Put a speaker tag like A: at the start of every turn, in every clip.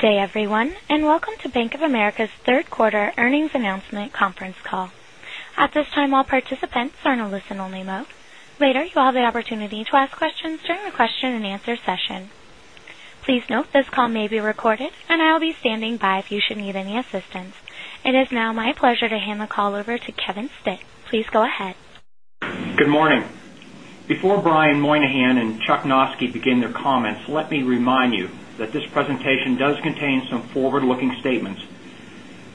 A: Good day, everyone, and welcome to Bank of America's 3rd Quarter Earnings Announcement Conference Call. At this time, all participants are in a listen only mode. Later, you will have the opportunity to ask questions during the question and answer session. Please note this call may be recorded and I will be standing by if you should need any assistance. It is now my pleasure to hand the call over to Kevin Stitt. Please go
B: ahead. Good morning. Before Brian Moynihan and Chuck Noske begin their comments, let me remind you that this presentation does contain some forward looking statements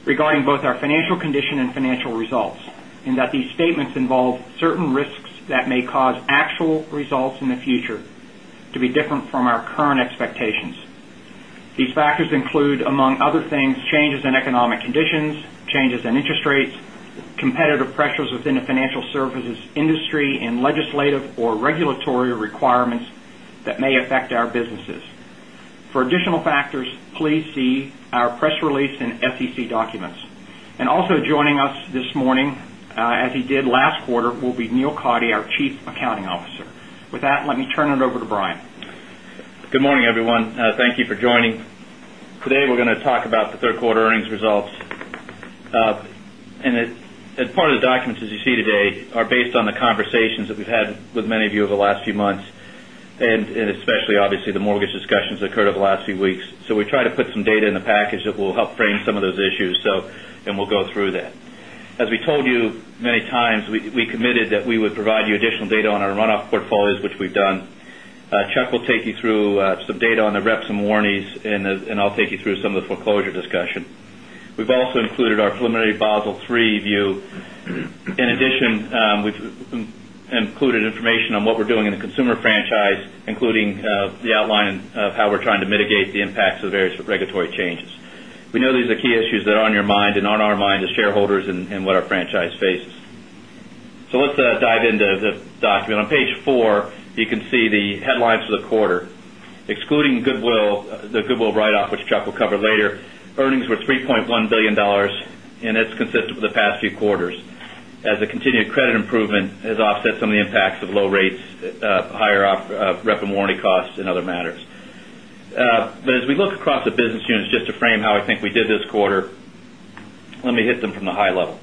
B: regarding both our financial condition and financial results, and that these statements involve certain risks that may cause actual results in the future to be different from our current expectations. These factors include, among other things, changes in economic conditions, changes in interest rates, competitive pressures within the financial services industry, and legislative or regulatory requirements that may affect our businesses. For additional factors, please see our press release and SEC documents. And also joining us this morning, as he did last quarter, will be Neil Coddy, our Chief Accounting Officer. With that, let me turn it over to Brian.
C: Good morning, everyone. Thank you for joining. Today, we're going to talk about the 3rd quarter earnings results. And as part of the documents as you see today are based on the conversations that we've had with many of you over the last few months and especially obviously the mortgage discussions occurred over the last few weeks. So we try to put some data in the package that will help frame some of those issues and we'll go through that. As we told you many times, we committed that we would provide you additional data on our runoff portfolios, which we've done. Chuck will take you through some data on the reps and warnings, and I'll take you through some of the foreclosure discussion. We've also included our preliminary Basel III view. In addition, we've included information on what we're doing in the consumer franchise, including the outline of how we're trying to mitigate the impacts of various regulatory changes. We know these are key issues that are on your mind and on our mind as shareholders and what our franchise faces. So let's dive into the into the document. On Page 4, you can see the headlines for the quarter. Excluding goodwill, the goodwill write off, which Chuck will cover later, earnings were $3,100,000,000 and that's consistent with the past few quarters, as the continued credit improvement has offset some of the impacts of lower rates, higher rep and warranty costs and other matters. But as we look across the business units, just to frame how I think we did this quarter, let me hit them from the high level.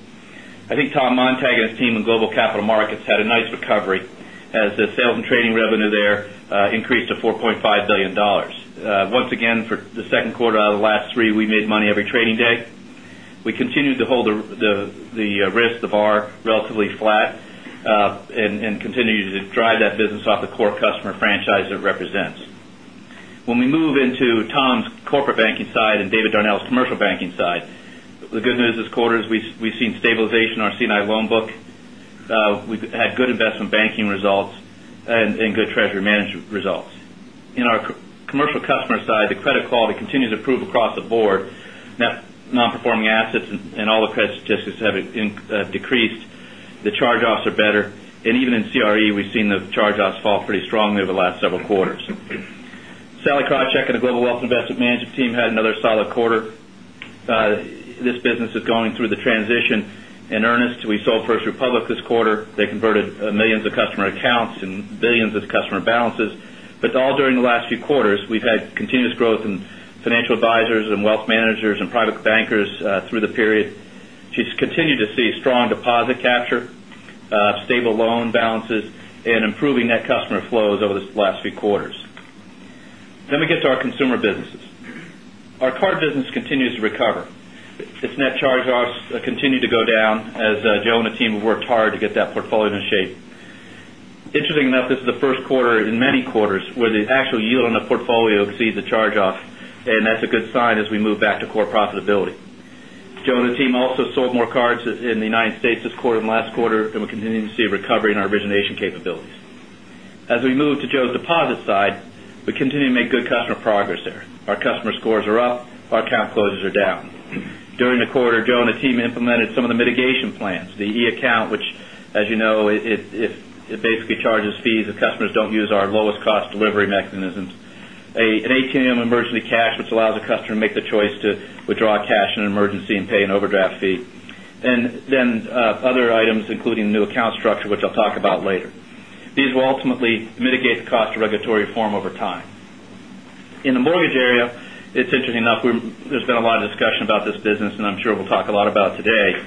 C: I think Tom Montag and his team in Global Capital Markets had a nice recovery as the sales and trading revenue there increased to $4,500,000,000 Once again, for the Q2 out of the last 3, we made money every trading day. We continue to hold the risk of our relatively flat and continue to drive that business off the core customer franchise it represents. When we move into Tom's corporate banking side and David Darnell's commercial banking side, the good news this quarter is we've seen stabilization in our C and I loan book. We've had good investment banking results and good treasury management results. In our commercial customer side, the credit quality continues to improve across the board. Net non performing assets and all the credit statistics have decreased. The charge offs are better. And even in CRE, we've seen the charge offs fall pretty over the last several quarters. Sally Krawcheck and the Global Wealth Investment Management team had another solid quarter. This business is going through the transition. In earnest, we sold First Republic this quarter. They converted millions of customer accounts and billions of customer balances. But it's all during the last few quarters. We've had continuous growth in financial advisors and wealth managers and private bankers through the period. Capture, stable loan balances and improving net customer flows over the last few quarters. Let me get to our consumer businesses. Our card business continues to recover. Its net charge offs continue to go down as Joe and the team have worked hard to get that portfolio in shape. Interesting enough, this is the Q1 in many quarters where the actual yield on the portfolio exceeds the charge off and that's a good sign as we move back to core profitability. Joe and the team also sold more cards in the United States this quarter than last quarter and we continue to see a recovery in our origination capabilities. As we move to Joe's deposit side, we continue to make good customer progress there. Our customer scores are up, our account closures are down. During the quarter, Joe and the team implemented some of the mitigation plans, the e account, which, as you know, it basically charges fees if customers don't use our lowest cost delivery mechanisms an ATM emergency cash, which allows a customer to make the choice to withdraw cash in an emergency and pay an overdraft fee and then other items, including new account structure, which I'll talk about later. These will ultimately mitigate the cost of regulatory reform over time. In the mortgage area, it's interesting enough there's been a lot of discussion about this business and I'm sure we'll talk a lot about today.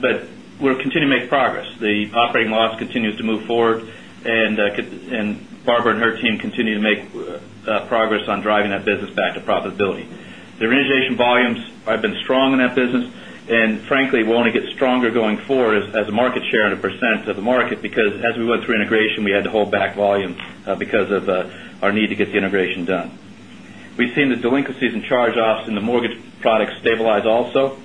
C: But we'll continue to make progress. The operating loss continues to move forward and Barbara and her team continue to make progress on driving that business back to profitability. Their origination volumes have been strong in that business and frankly will only get stronger going forward as a market share and a percent of the market because as we went through integration, we had to hold back volume because of our need to get the integration done. We've seen the delinquencies and charge offs in the mortgage products stabilize also.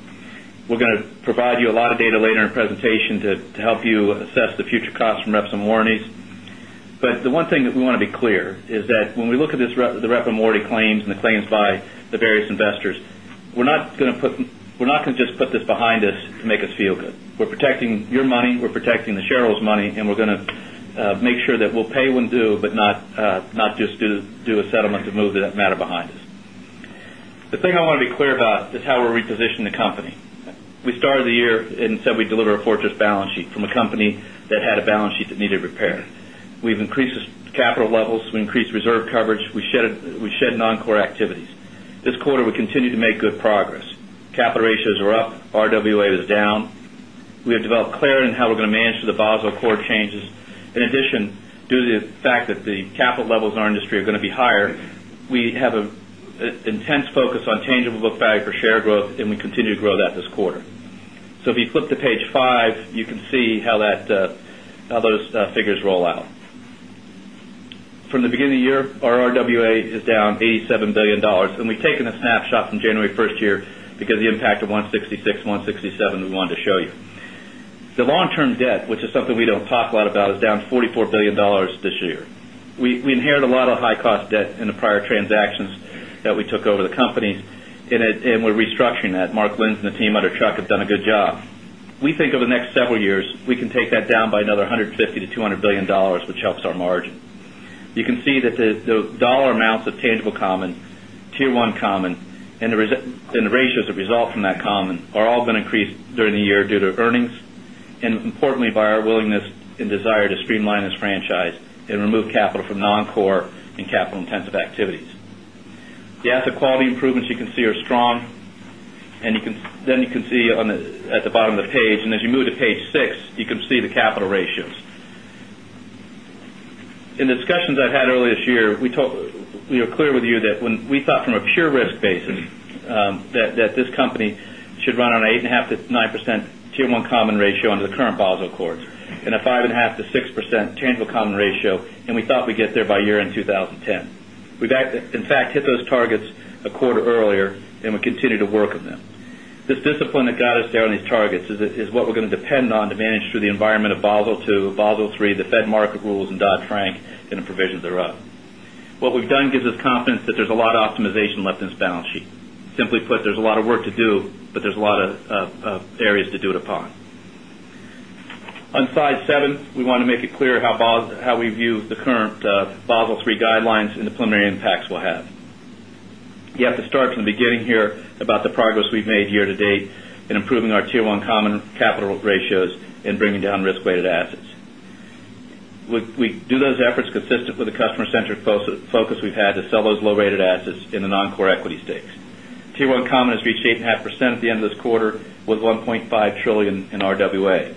C: We're going to provide you a lot of data later in the presentation to help you assess the future cost from reps and warranties. But the one thing that we want to be clear is that when we look at this rep and warranty claims and the claims by the various investors, we're not going to put we're not going to just put this behind us to make us feel good. We're protecting your money, we're protecting the shareholders' money, and we're going to make sure that we'll pay when due, but not just do a settlement to move that matter behind us. The thing I want to be clear about is how we repositioning the company. We started the year and said we'd fortress balance sheet from a company that had a balance sheet that needed repair. We've increased capital levels. We increased reserve coverage. We shed non core activities. This quarter, we continued to make good progress. Capital ratios were up, RWA was down. We have developed clarity on how we're going to manage through the Basel core changes. In addition, due to the fact that the capital levels in our industry are going to be higher, we have an intense focus on tangible book value per share growth and we continue to grow that this quarter. So if you flip to page 5, you can see how that how those figures roll out. From the beginning of the year, our RWA is down $87,000,000,000 and we've taken a snapshot from January 1st year because of the impact of 166, 167 we wanted to show you. The long term debt, which is something we don't talk a lot about, is down $44,000,000,000 this year. We inherited a lot of high cost debt in the prior transactions that we took over the company and we're restructuring that. Mark Linds and the team under truck have done a good job. We think over the next several years, we can take that down by another $150,000,000,000 to $200,000,000,000 which helps our margin. You can see that the dollar amounts of tangible common, Tier 1 common and the ratios that result from that common are all going to increase during the year due to earnings and importantly by our willingness and desire to streamline this franchise and remove capital from non core and capital intensive activities. The asset quality improvements you can see are strong. And then you can see at the bottom of the are clear with you that when we thought from a pure risk basis that this company should run on 8.5% to 9% Tier 1 common ratio under the current Basel Accord and a 5.5% to 6% tangible common ratio, and we thought we'd get there by year end 2010. We've, in fact, hit those targets a quarter earlier and we continue to work on them. This discipline that got us there on these targets is what we're going to depend on to manage through the environment of Basel II, Basel III, the Fed market rules, Dodd Frank and the provisions thereof. What we've done gives us confidence that there's a lot of optimization left in this balance sheet. Simply put, there's a lot of work to do, but there's a lot of areas to do it upon. On slide 7, we want to make it clear how we view the current Basel III guidelines and the preliminary impacts we'll have. You have to start from the beginning of the ratios and bringing down risk weighted assets. We do those efforts consistent with the customer centric focus we've had to sell those low rated assets in the non core equity stakes. Tier 1 common has reached 8.5% at the end of this quarter with $1,500,000,000,000 in RWA.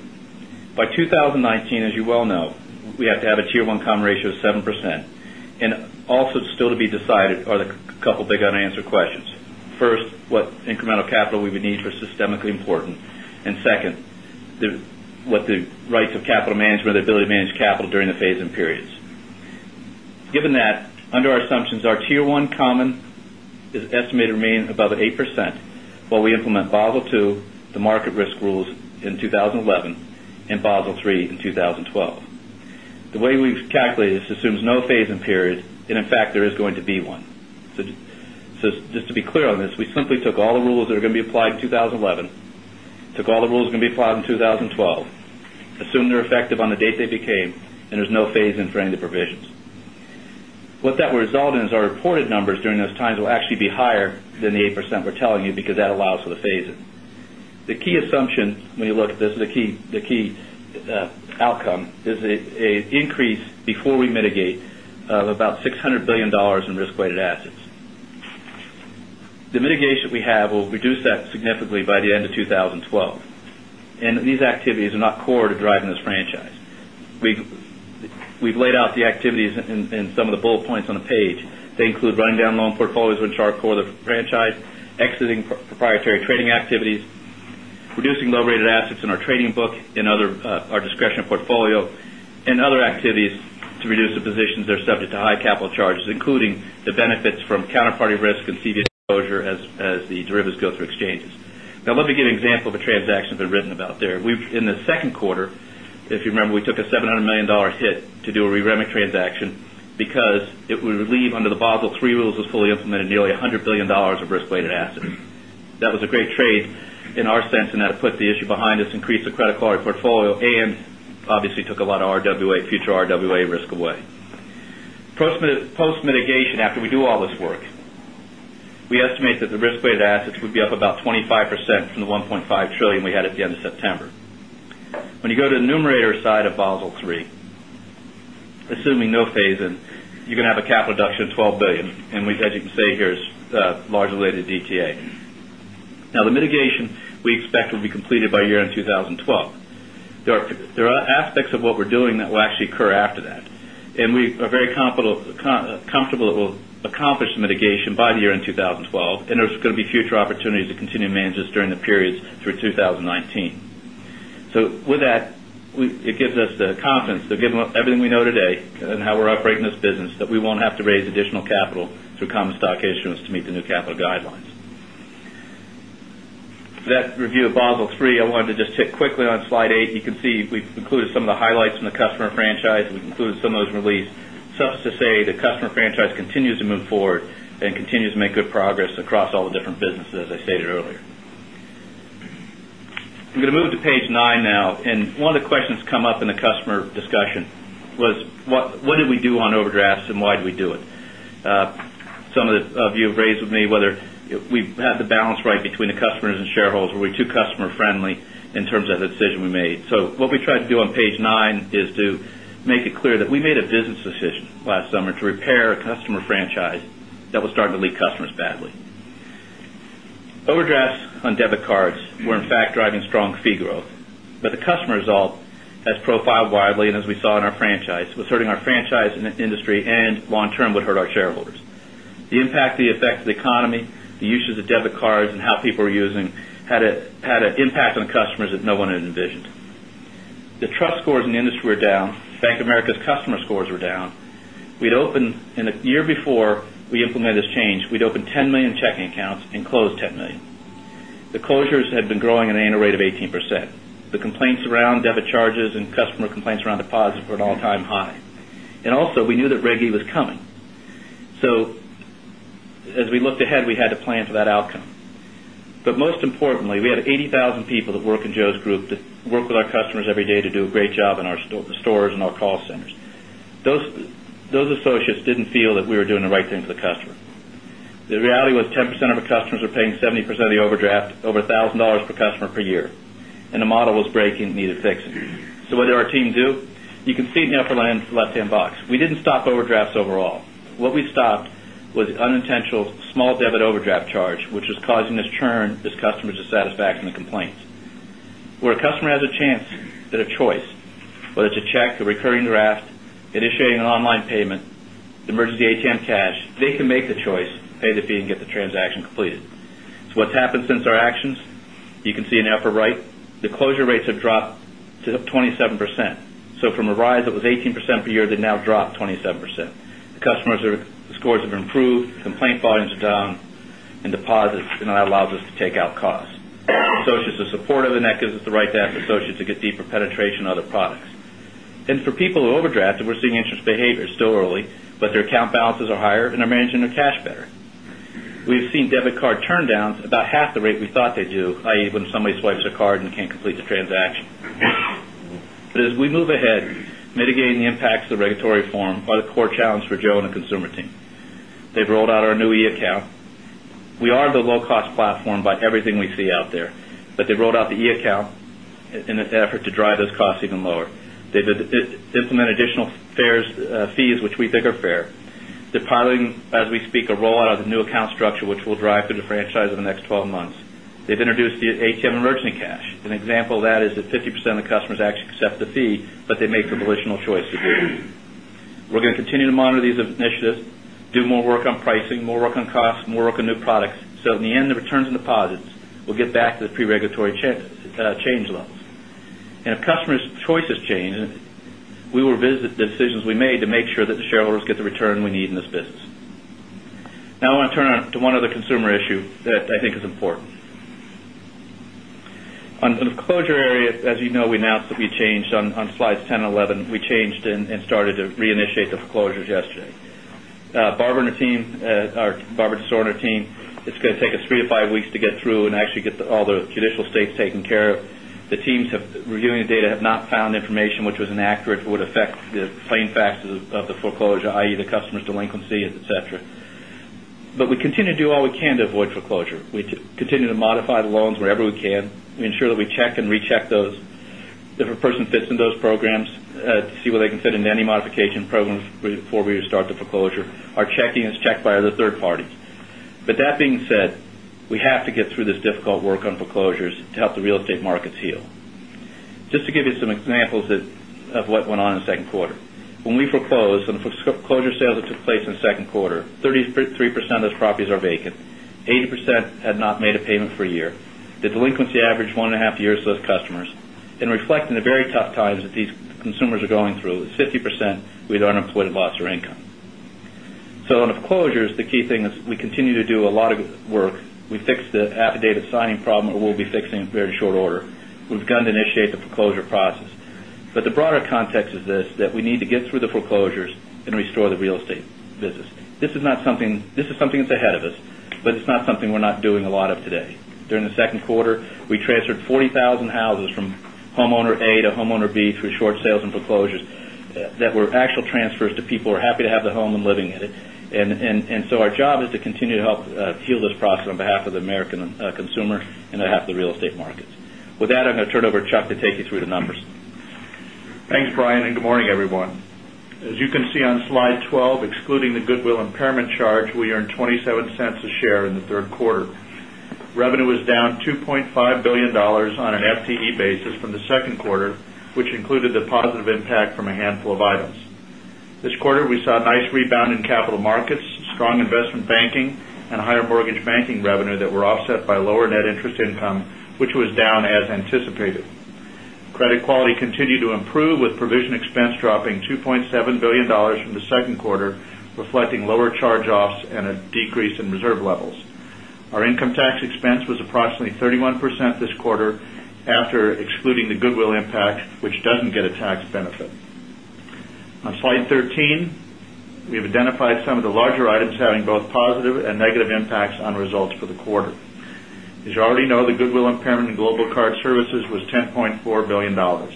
C: By 2019, as you well know, we have to have a Tier 1 comp ratio of 7%. And also still to be decided are the couple of big unanswered questions. 1st, what incremental capital we would need were systemically important. And second, what the rights of is estimated to remain above 8%, while we implement Basel II, the market risk rules in 2011 and Basel III in 2012. The way we calculated this assumes no phase in period and in fact there is going to be 1. So just to be clear on this, we simply took all the rules that are going to be applied in 2011, took all the rules that are going to be applied in 2012, assumed they're effective on the date they became and there's no phase in for any of the provisions. What that will result in is our reported numbers during those times will actually be higher than the 8% we're telling you because that allows for the phase in. The key of about $600,000,000,000 in risk weighted assets. The mitigation we have will reduce that significantly by the end of 2012. And these activities are not core to this franchise. We've laid out the activities in some of the bullet points on the page. They include running down loan our discretionary portfolio and other activities to reduce the positions that are subject to high capital charges, including the benefits from counterparty risk and CV exposure as the derivatives go through exchanges. Now, let me give an example of a transaction that's been written about there. In the Q2, if you remember, we took a $700,000,000 hit to a re REMIC transaction because it would leave under the Basel 3 rules as fully implemented nearly $100,000,000,000 of risk weighted assets. That was a great trade in our sense and that put the issue behind us, increased the credit quality portfolio and obviously took a lot of RWA, future RWA risk away. Post mitigation, after we do all this work, we estimate that the risk weighted assets would be up about 25% from the $1,500,000,000,000 we had at the end of September. When you go to the numerator side of III, assuming no phase in, you're going to have a capital deduction of $12,000,000,000 and we said you can say here is large related to DTA. Now the mitigation we expect will be completed by year end 2012. There are aspects of what we're doing that will actually occur after that. And we are very comfortable that we'll accomplish mitigation by the year end 2012, and there's going to be future opportunities to continue to manage this during periods through 2019. So with that, it gives us the confidence that given everything we know today and how we're operating this business that we won't have to raise additional capital through common stock issuance to meet the new capital guidelines. With that review of Basel III, I wanted to just tick quickly on Slide 8. You can see we've included some of the highlights from the customer franchise. We've included some of those in release. Suffice to say, the customer franchise continues to move forward and continues to make good progress across all the different businesses, as I stated earlier. I'm going to move to Page 9 now. And one of the questions come up in the customer discussion was what did we do on overdrafts and why do we do it? Some of you have raised with me whether we've had the balance right between the customers and shareholders, we're too customer friendly in terms of the decision we made. So what we tried to do on Page 9 is to make it clear that we made a business decision last summer to repair a customer franchise that will start to leak customers badly. Overdrafts on debit cards were fact driving strong fee growth, but the customer result has profiled widely and as we saw in our franchise was hurting our franchise industry and long term would hurt our shareholders. The impact of the economy, the uses of debit cards and how people are using had an impact on customers that no one had envisioned. The trust scores in the industry were down. Bank of America's customer scores were down. We'd opened in the year before we implemented this change, we'd opened 10,000,000 checking accounts and closed 10,000,000. The closures had been growing at an annual rate of 18%. The complaints around debit charges and customer complaints around deposits were at an all time high. And also we knew that Reg E was coming. So as we looked ahead, had to plan for that outcome. But most importantly, we had 80,000 people that work in Joe's group that work with our customers every day to do a great job in our stores and our call centers. Those associates didn't feel that we were doing the right thing for the customer. The reality was 10% of our customers are paying 70% of the overdraft over $1,000 per customer per year and the model was breaking and needed to fix it. So what did our team do? You can see in the upper left hand box. We didn't stop overdrafts overall. What we stopped was unintentional small debit overdraft charge, which is causing this churn, this customer's dissatisfaction and complaints. Where a customer has a chance and a choice, whether it's a check, a recurring draft, initiating an online payment, emergency ATM cash, they can make the choice, pay the fee and get the transaction completed. So what's happened since our actions? You can see in the upper right, the closure rates have dropped to 27%. So from a rise it was 18% per year to now drop 27%. The customers' scores have improved, complaint volumes are down and deposits do not allow us to take out costs. Associates are supportive and that gives us the right to have associates to get deeper penetration other products. And for people who overdrafted, we're seeing interest behavior still early, but their account balances are higher and are managing their cash better. We've seen debit card turndowns about half the rate we thought they do, I. E. When somebody swipes a card and can't complete the transaction. But as we move ahead, mitigating the impacts of the regulatory reform are the core challenge for Joe and the consumer team. They've rolled out our new e account. We are the low cost platform by everything we see out there, but they rolled out the e account in an effort to drive those costs even lower. They've implemented additional fares fees which we think are fair. They're piling as we speak a rollout of the new account structure, which will drive through the franchise over the next 12 months. They've introduced the ATM emergency cash. An example of that is that 50% of the customers actually accept the fee, but they make the volitional choice to do. We're going to continue to monitor these initiatives, do more work on pricing, more work on costs, more work on new products. So, in the end, returns and deposits will get back to the pre regulatory change levels. And if customers' choices change, we will revisit the decisions we made to make sure that the shareholders get the return we need in this business. Now, I want to turn to one other consumer issue that I think is important. On the closure area, as you know, we announced that we changed on slides 10 and 11, we changed closure area, as you know, we announced that we changed on slides 10 and 11, we changed and started to reinitiate the closures yesterday. Barbara and her team, our Barbara and DeSor and her team, it's going to take us 3 to 5 weeks to get through and actually get all the judicial states taken care of. The teams have not found information which was inaccurate or would affect the plain facts of the foreclosure, I. E. The customer's delinquency, etcetera. But we continue to do all we can to avoid foreclosure. We continue to modify the loans wherever we can. We ensure that we check and recheck those. If a person fits in those programs, see where they can fit into any modification programs before we start the foreclosure. Our checking is checked by other third parties. But that being said, we have to get through this difficult work on foreclosures to help the real estate markets heal. Just to give you some examples of what went on in the 2nd quarter. When we foreclosed and the foreclosure sales that took place in the 2nd quarter, 30 3% of those properties are vacant, 80% had not made a payment for a year. The delinquency averaged 1.5 years to those customers and reflecting the very tough times that these consumers are going through, 50% with unemployment loss or income. So on the closures, the key thing is we continue to do a lot of work. We fixed the half a day of signing problem, and we'll be fixing it in very short order. We've begun to initiate the foreclosure process. But the broader context is that we need to get through the foreclosures and restore the real estate business. This is not something this is something that's ahead of us, but it's not something we're not doing a lot of today. The Q2, we transferred 40,000 houses from homeowner A to homeowner B through short sales and foreclosures that were actual transfers to people to have the home and living in it. And so our job is to continue to help heal this process on behalf of the American consumer and on behalf of the real estate markets. With that, I'm going to turn it over to Chuck to take you through the numbers.
D: Thanks, Brian, and good morning, everyone. As you can see on Slide 12, excluding the goodwill impairment charge, we earned 0.27 dollars a share in the 3rd quarter. Revenue was down $2,500,000,000 on an FTE basis from the 2nd quarter, which included the positive impact from a handful of items. This quarter, we saw a nice rebound in capital markets, strong investment banking and higher mortgage banking revenue that were offset by lower net interest income, which was down as anticipated. Credit quality continued to improve with provision expense dropping $2,700,000,000
E: from the
D: 2nd quarter, reflecting lower charge offs and a decrease in reserve levels. Our income tax expense was approximately 31% this quarter after excluding the goodwill impact, which doesn't get a tax benefit. On Slide we have identified some of the larger items having both positive and negative impacts on results for the quarter. As you already know, the goodwill impairment in Global Card Services was 10 $400,000,000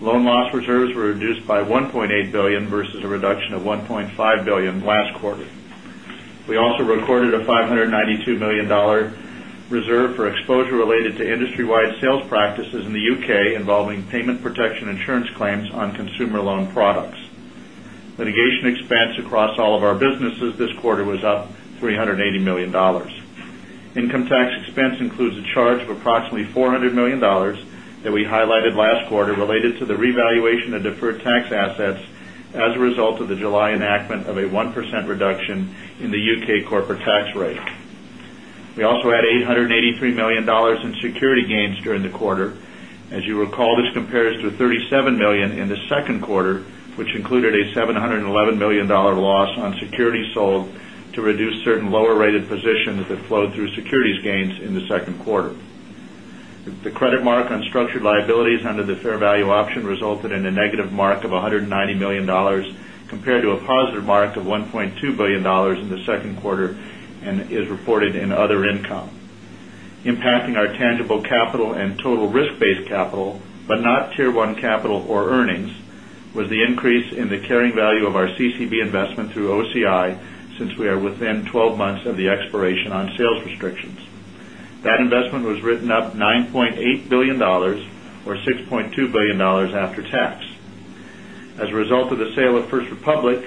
D: Loan loss reserves were reduced by $1,800,000,000 versus a reduction of $1,500,000,000 last quarter. We also recorded a 5 $92,000,000 reserve for exposure related to industry wide sales practices in the UK involving payment protection insurance claims on consumer loan products. Litigation expense across all of our businesses this quarter was up $380,000,000 Income tax expense includes a charge of approximately $400,000,000 that we highlighted last quarter related to the revaluation of deferred tax assets as a result of the July enactment of a 1 percent reduction in the UK corporate tax rate. We also had $883,000,000 in security gains during the quarter. This compares to $37,000,000 in the 2nd quarter, which included a $711,000,000 loss on securities sold to reduce certain lower rated position that flowed through securities gains in the Q2. The credit mark on structured liabilities under the fair value option resulted in a negative mark of $190,000,000 compared to a positive mark of $1,200,000,000 in the 2nd quarter and is reported in other income. Impacting our tangible capital and total risk based capital, but not Tier 1 capital or earnings, was the increase in the carrying value of our CCB investment through OCI since we are within 12 months of the expiration on sales restrictions. That investment was written up $9,800,000,000 or $6,200,000,000 after tax. As a result of the sale of First Republic,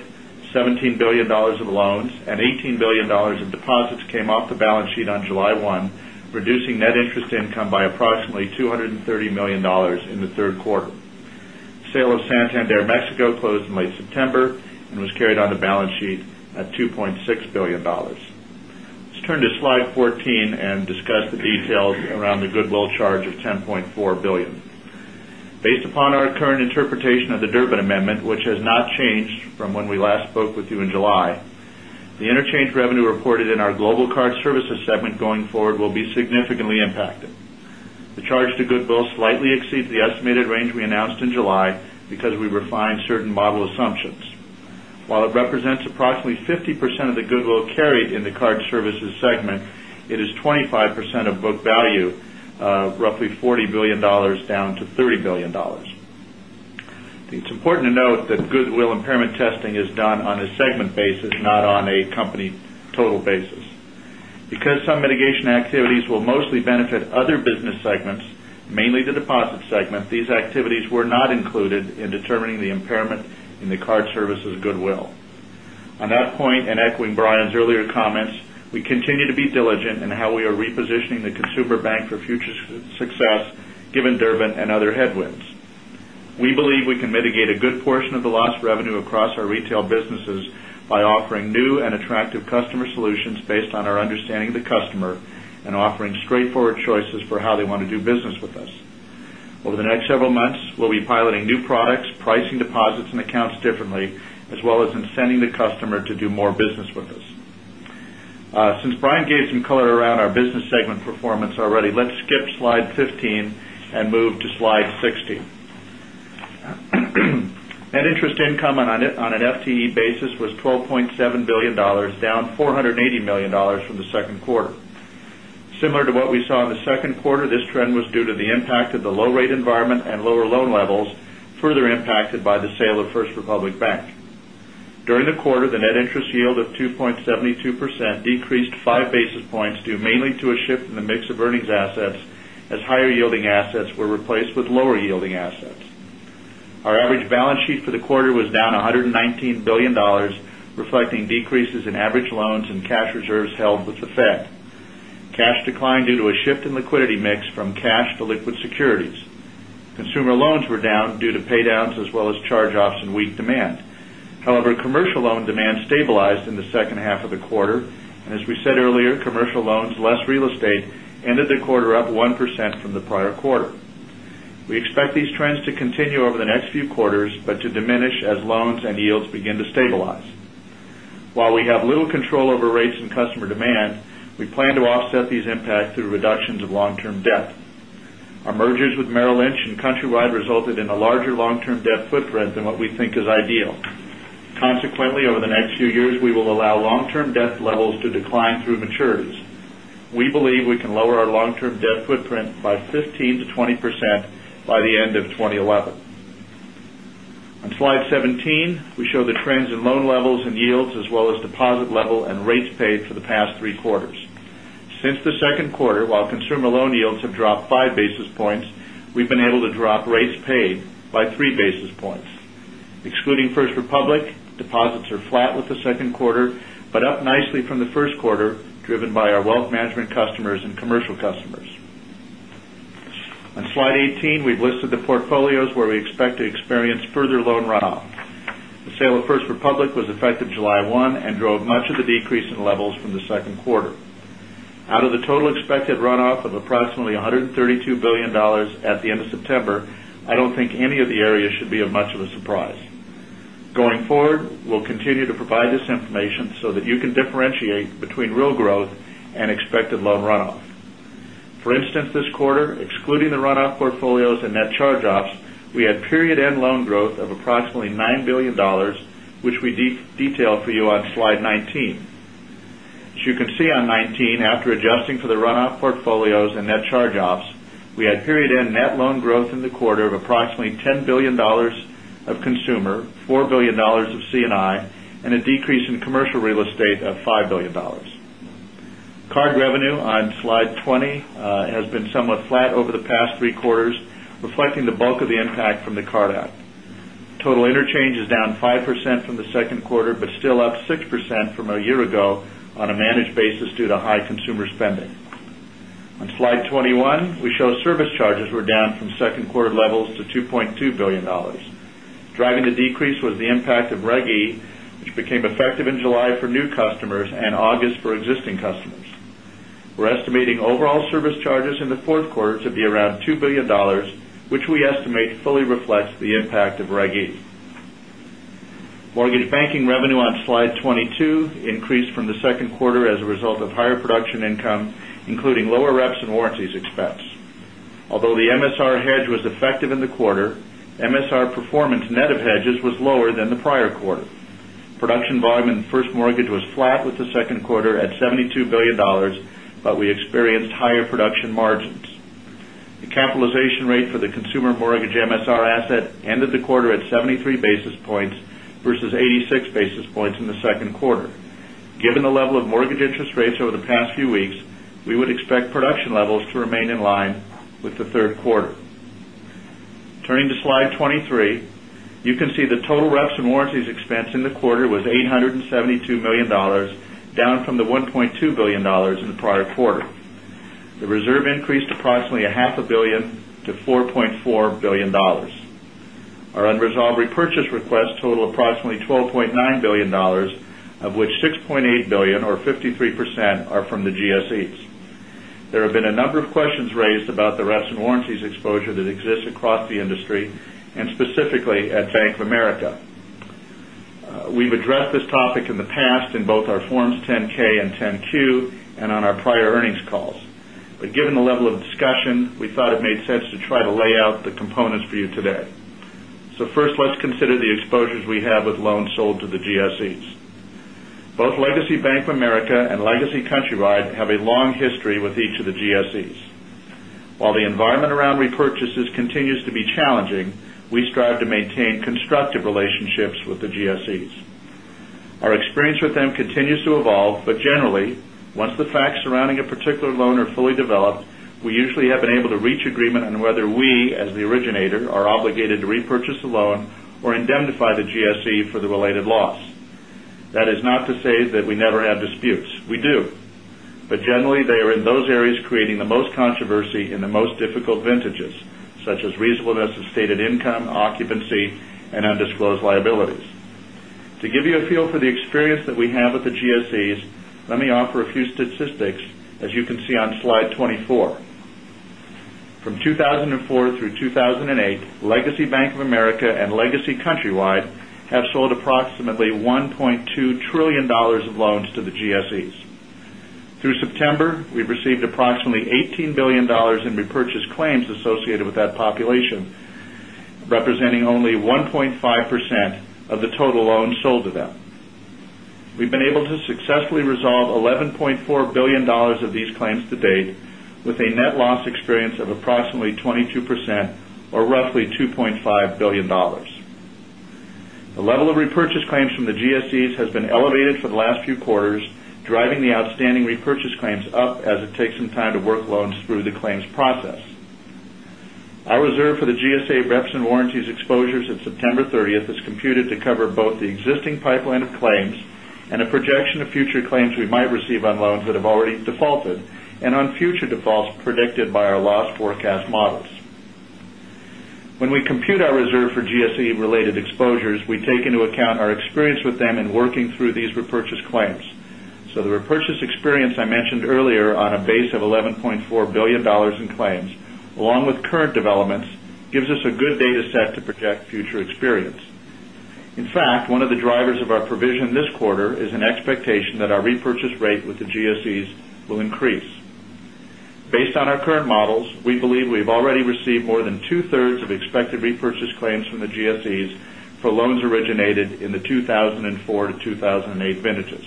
D: $17,000,000,000 of loans and $18,000,000,000 of deposits came off the balance sheet on July 1, reducing net interest income by approximately $230,000,000 in the 3rd quarter. Sale of Santander Mexico closed in late September and was carried on the Slide 14 and discuss the details around the goodwill charge of $10,400,000,000 Based upon our current interpretation of the Durbin Amendment, which has not changed from when we last spoke with in July, the interchange revenue reported in our Global Card Services segment going forward will be significantly impacted. The charge to goodwill slightly exceeds the estimated range we announced in July because we refined certain model assumptions. While it represents approximately 50% of the goodwill carried in the Card Services segment, it is 25 percent of book value, roughly $40,000,000,000 down to $30,000,000,000
C: It's important to note
D: that goodwill impairment testing is done on a segment basis, not on a company total basis. Because some mitigation activities will mostly benefit other business segments, mainly the Deposit segment, these activities were not included in determining the impairment in the card service' goodwill. On that point and echoing Brian's earlier comments, we continue to be diligent in how we are repositioning the consumer bank for future bank for future success given Durbin and other headwinds. We believe we can mitigate a good portion of the lost revenue across our retail businesses by offering new and attractive customer solutions based on our understanding of the customer and offering straightforward choices for how they want to do business with us. Over the next several months, we'll be piloting new products, pricing deposits and accounts differently, as well as incenting the customer to do more business with us. Since Brian gave some color around our business FTE basis was $12,700,000,000 down $480,000,000 from the 2nd quarter. Similar to what we saw in the 2nd quarter, this trend was due to the impact of the low rate environment and lower loan levels further impacted by the sale of First Republic Bank. During the quarter, the net interest yield of 2.72 percent decreased 5 basis points due mainly to a shift in the mix of earnings assets as yielding assets were replaced with lower yielding assets. Our average balance sheet for the quarter was down $119,000,000,000 reflecting decreases in average loans and cash reserves held with effect. Cash declined due to a shift in liquidity mix from cash to liquid securities. Consumer loans were down due to pay downs as well as charge offs and weak demand. However, commercial loan demand stabilized in the second half of the quarter. And as we said earlier, commercial loans less real estate ended the quarter up 1% from the prior quarter. These trends to continue over the next few quarters, but to diminish as loans and yields begin to stabilize. While we have little control over rates and customer demand, we plan to offset these impacts through reductions of long term debt. Our mergers with Merrill Lynch and Countrywide resulted in a larger long term footprint than what we think is ideal. Consequently, over the next few years, we will allow long term debt levels to decline through maturities. We believe we can lower our long term debt footprint by 15% to 20% by the end of 20 11. On Slide 17, we show the trends in loan levels and yields as well as deposit level and rates paid for the past 3 quarters. Since the Q2, while consumer loan yields have dropped 5 basis points, we've been able to drop rates paid by 3 basis points. Excluding First Republic, deposits are flat with the 2nd quarter, but up nicely from the Q1 driven by our wealth management customers and commercial customers. On Slide 18, we've listed the portfolios where we expect to experience further loan runoff. The sale of First Republic was effective July 1 and drove much of the decrease in levels from the 2nd quarter. Out of the total expected runoff of approximately $132,000,000,000 at the end of September, I don't think any of the areas should be of much of a surprise. Going forward, we'll continue to provide this information so that you can differentiate between real growth and expected loan runoff. For instance, this quarter, excluding the run off portfolios and net charge offs, we had period end loan growth of approximately $9,000,000,000 which we detailed for you on Slide 19. As you can see on 2019, after adjusting for the run off portfolios and net charge offs, we had period end net loan growth in the quarter approximately $10,000,000,000 of consumer, dollars 4,000,000,000 of C and I and a decrease in commercial real estate of $5,000,000,000 Card revenue on Slide 20 has been somewhat flat over the past 3 quarters, reflecting the bulk of the impact from the charges were down from 2nd quarter levels to $2,200,000,000 Driving the decrease was the impact of Reg E, which became effective in July customers and August for existing customers. We're estimating overall service charges in the 4th quarter to be around $2,000,000,000 which we estimate fully reflects the impact of Raghu. Mortgage banking revenue on Slide 22 increased from the the in the quarter, MSR performance net of hedges was lower than the prior quarter. Production volume in the first mortgage was flat with the 2nd quarter at $72,000,000,000 but we experienced higher production margins. The capitalization rate for the consumer mortgage MSR asset ended the quarter at 73 basis points versus 86 basis points in the 2nd quarter. Given the level of mortgage interest rates over the past few weeks, we would expect production levels to remain in line with the Q3. Turning to Slide 23, you can see the total reps and warranties expense in the quarter was $872,000,000 down from the $1,200,000,000 in the prior quarter. The reserve increased approximately $500,000,000 to $4,400,000,000 Our unresolved repurchase request totaled approximately $12,900,000,000 of which $6,800,000,000 or 53 percent are from the GSEs. There have been a number of questions raised about the Reston Warranties exposure that exists across the industry and specifically at Bank of America. We've addressed this topic in the past in both our forms 10 ks and 10 Q and on our prior earnings calls. But given the level of discussion, we thought it made sense to try to lay out the components for you today. So first, let's consider the exposures we have with loans sold to the GSEs. Both legacy Bank of America and Legacy Countrywide have a
C: a
D: maintain constructive relationships with the GSEs. Our experience with them continues to evolve, but generally, once the facts surrounding a particular loan are fully developed, we usually have been able to reach agreement on whether we, as the originator, are obligated to repurchase a loan or indemnify the GSE for the related loss. That is not to say that we never have disputes. We do. But generally, they are in those areas creating the most controversy in the most difficult vintages, such as reasonableness of stated income, occupancy and undisclosed liabilities. To give you a feel for the experience that we have at the GSEs, let me offer a few statistics as you can see on Slide 24. From 2,004 through 2,008, Legacy Bank of America and $18,000,000,000 in repurchase claims associated with that population, $18,000,000,000 in repurchase claims associated with that population, representing only 1.5% of the total loans sold to them. We've been able to successfully resolve $11,400,000,000 of these claims to date with a net loss experience of approximately 22 percent or roughly $2,500,000,000 The level of repurchase claims from the GSEs has been elevated for the last few quarters, driving the outstanding repurchase claims up as it takes some time to work loans through the claims process. Our reserve for the GSA reps and warranties exposures at September 30 is computed to cover both the existing pipeline of claims and a projection of future claims we might receive on loans that have already defaulted and on future defaults predicted by our loss forecast models. When we compute our reserve for GSE related exposures, we take into account our experience with them in working through these repurchase claims. So the repurchase experience I mentioned earlier on a base of $11,400,000,000 in claims, along with current developments, gives us a good data set to project future experience. In fact, one of the drivers of our provision this quarter is an expectation that our repurchase rate with the GSEs will increase. Based on our current models, we believe we have already received more than 2 thirds of expected repurchase claims from the GSEs for loans originated in the 2004 to 2,008 vintages.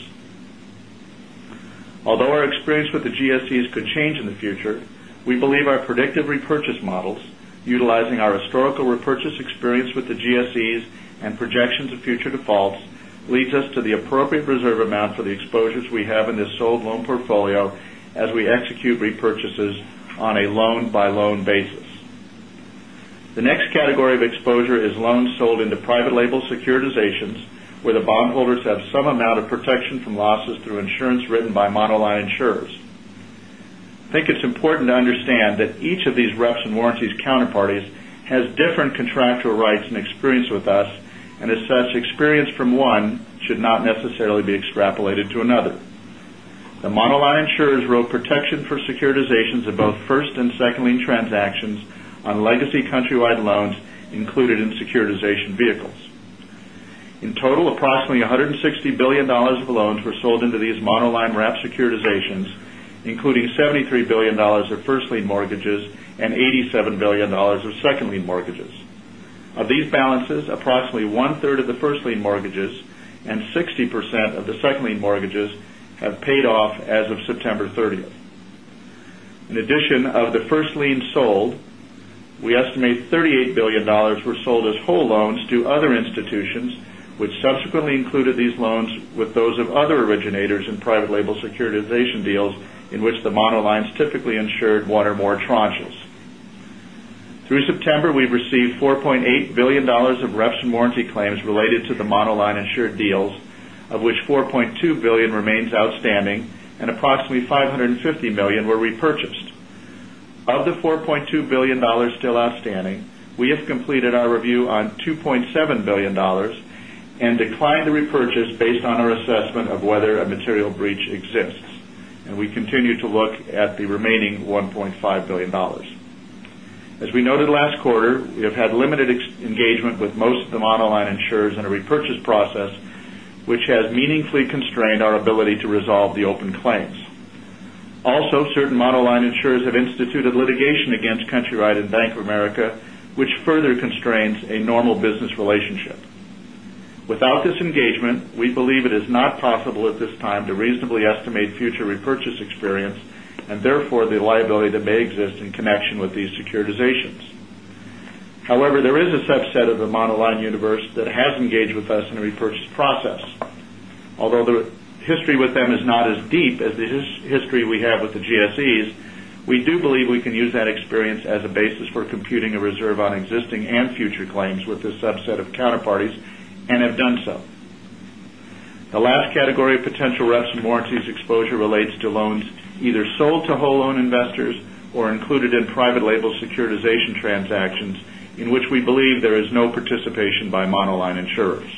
D: Although our experience with the GSEs could change in the future, we believe our predictive repurchase models, utilizing our historical repurchase experience with the GSEs and projections of future defaults leads us to the appropriate reserve amount for the exposures we have in this sold loan portfolio as we execute repurchases on a loan by loan have some amount of protection from losses through insurance written by monoline insurers. I think it's important to understand that each of these reps and warranties counterparties has different contractual rights and experience with us and as such experience from one should not necessarily be extrapolated to another. The Monoline insurers wrote protection for securitizations of both 1st and second lien transactions on legacy countrywide loans included in securitization vehicles. In total, approximately $160,000,000,000 of loans were sold into these monoline wrap securitizations, including $73,000,000,000 of 1st lien mortgages and $87,000,000,000 of 2nd lien mortgages. Of these balances, approximately 1 third of the 1st lien mortgages and 60% of the 2nd lien mortgages have paid off as of September 30. In addition of the 1st lien sold, we estimate 38 dollars were sold as whole loans to other institutions, which subsequently included these loans with those of other originators in private label securitization deals in which the the related to the Monoline insured deals, of which $4,200,000,000 remains outstanding and approximately $550,000,000 were repurchased. Of the $4,200,000,000 still outstanding, we have completed our review on $2,700,000,000 and declined the repurchase based on our assessment of whether a material breach exists. And we continue to look at the remaining $1,500,000,000 As we noted last quarter, we have had limited engagement with most of the monoline insurers in a repurchase process, which has meaningfully which further constraints a normal business relationship. Without this engagement, we believe it is not possible at this time to reasonably estimate future repurchase experience and therefore the liability that may exist in connection with these securitizations. However, there is a subset of the Monoline universe that has engaged with us in the repurchase process. Although the history with them is not as deep as the history we have with the GSEs, we do believe we can use that experience as a basis for computing a reserve on existing and future claims with this subset of counterparties and have done so. The last category of potential reps and warranties exposure relates to loans either sold to whole loan investors or included in private label securitization transactions in which we believe there is no participation by monoline insurers.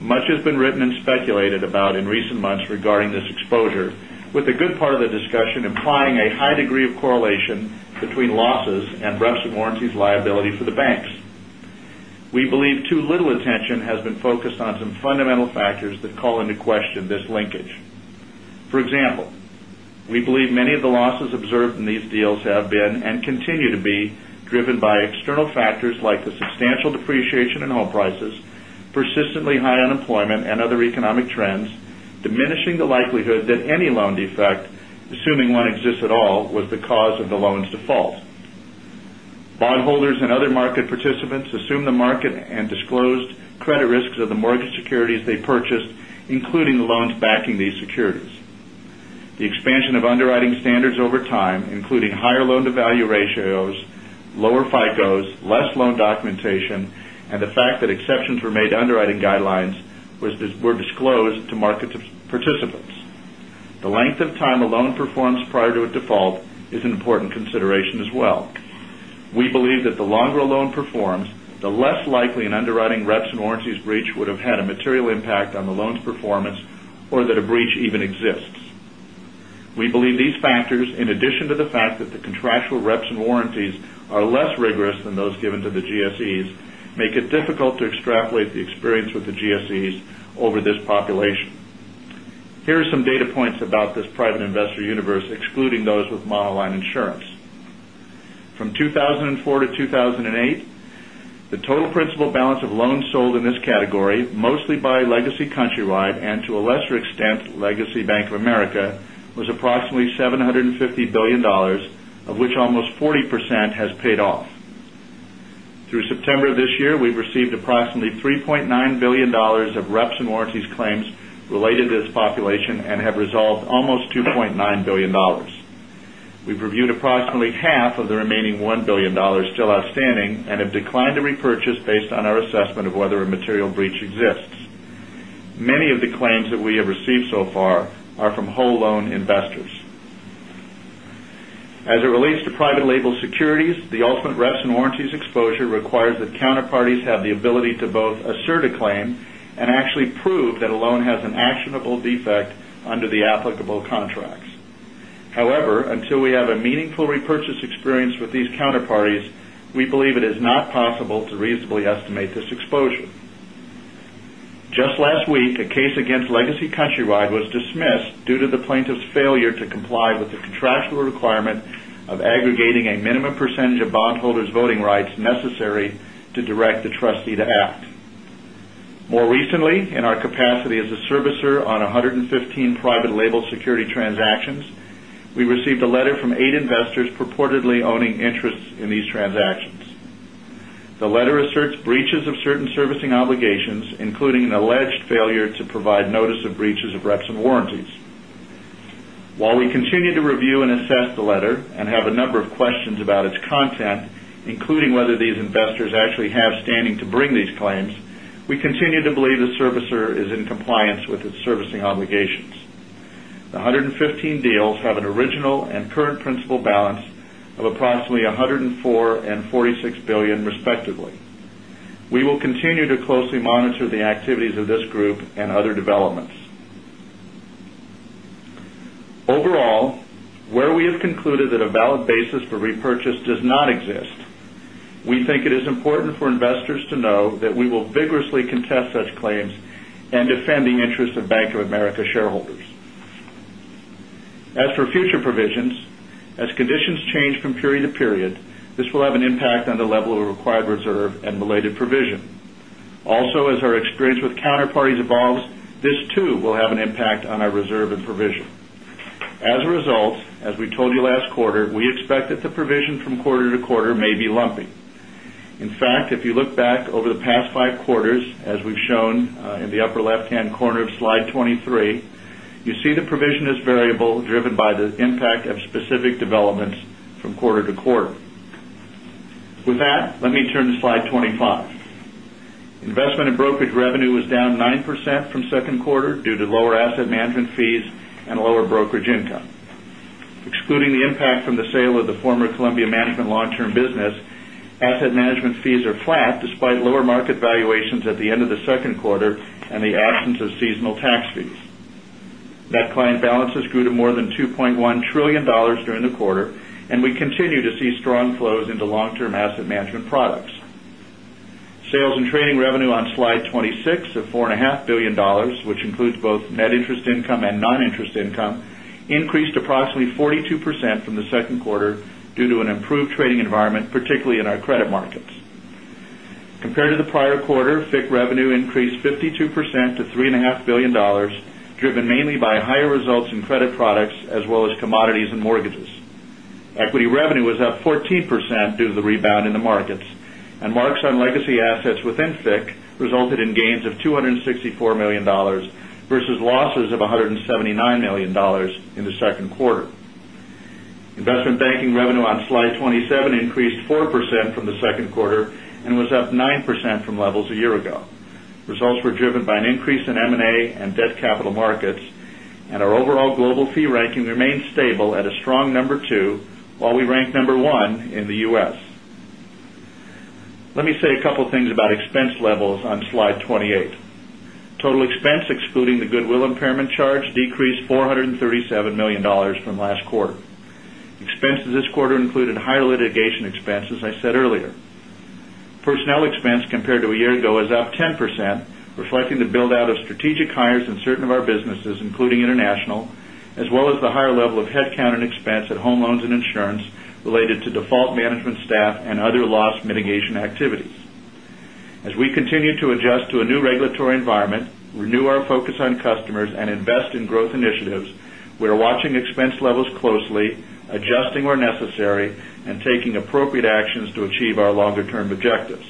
D: Much has been written speculated about in recent months regarding this exposure, with a good part of the discussion implying a high degree of correlation between losses and Brexit warranties liability for the banks. We believe too little attention has been focused on some fundamental factors that call into question this linkage. For example, we believe many of the losses observed in these deals have been and continue to be driven by external factors like the substantial depreciation in home prices, persistently high unemployment and other economic trends, diminishing the likelihood that any loan defect, assuming one exists at all, was the cause of the loan's default. The expansion of underwriting standards over time, including higher loan to value ratios, lower FICOs, less loan documentation and the fact that exceptions were made to underwriting guidelines were disclosed to market participants. The length of time a loan performs prior to a default is an important GSEs, make it difficult to extrapolate the experience with the GSEs over this population. Here are some data points about this private investor universe excluding those with ModelLine Insurance. From 2,004 to 2,008, the total principal balance of loans sold in this in this category, mostly by legacy Countrywide and to a lesser extent, legacy Bank of America, was approximately $750,000,000,000 of which almost 40% paid off. Through September of this year, we've received approximately $3,900,000,000 of reps and warranties claims related to this population and to repurchase based on our assessment of whether a material breach exists. Repurchase based on our assessment of whether a material breach exists. Many of the claims that we have received so far are from whole loan investors. As it relates to private label securities, the ultimate reps in warranties exposure requires that counterparties have the ability to both assert a claim and actually prove that a loan has an actionable defect under the applicable contracts. However, until we have a meaningful repurchase experience with these counterparties, we believe it is not possible to reasonably estimate this exposure. Just last week,
C: a
D: a minimum percentage of bondholders' voting rights necessary to direct the trustee to act. More recently, in our capacity as a servicer on 115 private label security transactions, we received a letter from 8 investors purportedly owning interests in these transactions. Servicing obligations, including an alleged failure to provide notice of breaches of reps and warranties. While we continue to review and assess the letter and have a number of questions about its content, including whether these investors actually have standing to bring these claims, we continue to believe the servicer is in compliance with its servicing obligations. The 100 and 15 deals have an original and current principal balance of approximately $104,000,000,000 $46,000,000,000 respectively. We will continue to closely monitor the activities of this group and other developments. Overall, where we have concluded that a valid basis for repurchase does not exist, we think it is important for investors to know that we will vigorously contest such claims and defend the interests of Bank of America shareholders. As for future provisions, as conditions change from period to period, this will have an impact on the level of required reserve and related provision. Also, as our experience with counterparties evolves, this too will have an impact on our reserve and provision. As a result, as we told you last quarter, we expect that the provision from quarter to quarter may be lumpy. In fact, if you look back over the past 5 quarters, as we've shown in the upper left hand corner of Slide 23, you see the provision is variable driven by the impact of specific developments from quarter to quarter. With that, let me turn to Slide 25. Investment in brokerage revenue was down 9% from 2nd quarter due to lower asset management fees and lower brokerage income. Excluding the impact from the sale of the former Columbia Management Long Term Business, asset management fees are flat despite lower market valuations at the end of the second quarter and the absence of seasonal tax fees. Net client balances grew to more than $2,100,000,000,000 during the quarter and we continue to see strong flows into long term asset management products. Sales and trading revenue on slide 26 of $4,500,000,000 which includes both net interest income and non interest income, increased approximately 42% from the Q2 due to an improved trading environment, particularly in our credit markets. Compared to the prior quarter, FIC revenue increased 52% to $3,500,000,000 driven mainly by higher results in credit products as well as commodities and mortgages. Equity revenue was up 14% due to the rebound in the markets and marks on legacy assets within FIC resulted in gains of $264,000,000 versus losses of $179,000,000 in the 2nd quarter. Investment Banking revenue on Slide 27 increased 4% from the 2nd quarter and was up 9 percent from levels a year ago. Results were driven by an increase in M and A and Debt Capital Markets and our overall global fee ranking remains stable at a strong number 2, while we rank number 1 in the U. S. Let me say a couple of things about expense levels on Slide 28. Total expense excluding the goodwill impairment charge decreased $437,000,000 from last quarter. Expenses this quarter included higher litigation expenses I said earlier. Personnel expense compared to a year ago was up 10%, reflecting the build out of strategic hires in certain of our businesses, including international, as well as the higher level of headcount and expense at home loans and insurance related to default management staff and other loss mitigation activities. As we continue to adjust to a new regulatory environment, renew our focus on customers and to achieve our longer term objectives.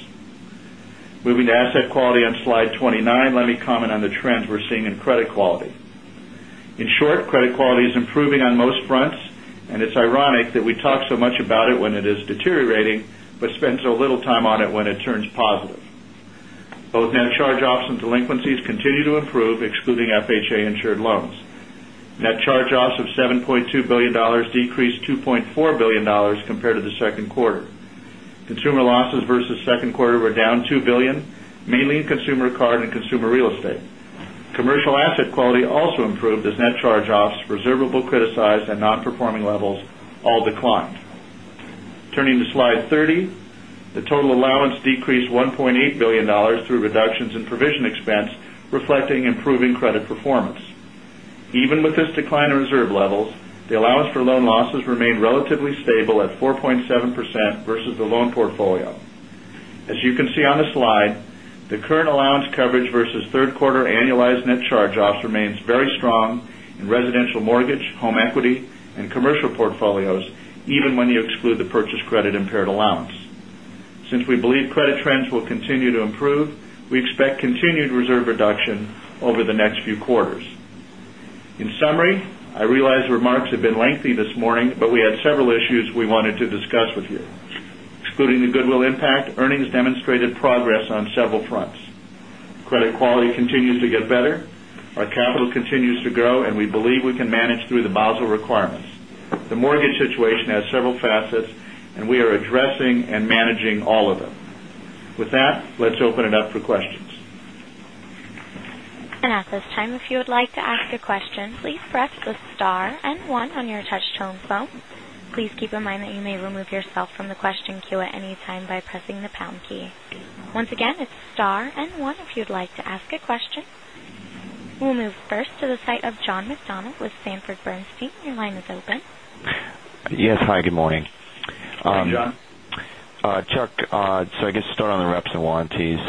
D: Moving to asset quality on slide 29, let me comment on the trends we're seeing in credit quality. In short, credit quality is improving on most fronts and it's ironic that we talk so much about it when it is deteriorating, but spend so little on it when it turns positive. Both net charge offs and delinquencies continue to improve excluding FHA insured loans. Net charge offs of $7,200,000,000 decreased $2,400,000,000 compared to the 2nd quarter. Consumer losses versus 2nd quarter were down $2,000,000,000 mainly in consumer card and consumer real estate. Commercial asset quality also improved as net charge offs, reservable criticized and non performing levels all declined. Turning to Slide 30. The total allowance decreased $1,800,000,000 through reductions in provision expense, reflecting improving credit performance. Even with this decline in reserve levels, the allowance for loan losses remained relatively stable at 4.7 percent versus the loan portfolio. As you can see on this slide, the current allowance coverage versus annualized net charge offs remains very strong in residential mortgage, home equity and commercial portfolios even when you exclude the purchase credit impaired allowance. Since we believe credit trends will continue to improve, we expect continued reserve reduction over the next few quarters. In summary, I realize remarks have been lengthy this morning, but we had several issues we wanted to discuss with you. Excluding the goodwill impact, earnings demonstrated progress on several fronts. Credit quality continues to get better. Our capital continues to grow, and we believe we can manage through the Basel requirements. The mortgage situation has several facets, and we are addressing and managing all of them. With that, let's open it up for questions.
A: We'll move first to the site of John
C: McDonald with Sanford Bernstein.
A: Your line is open.
F: Yes. Hi, good morning.
G: Hi, John.
F: Chuck, so I guess start on the reps and warranties.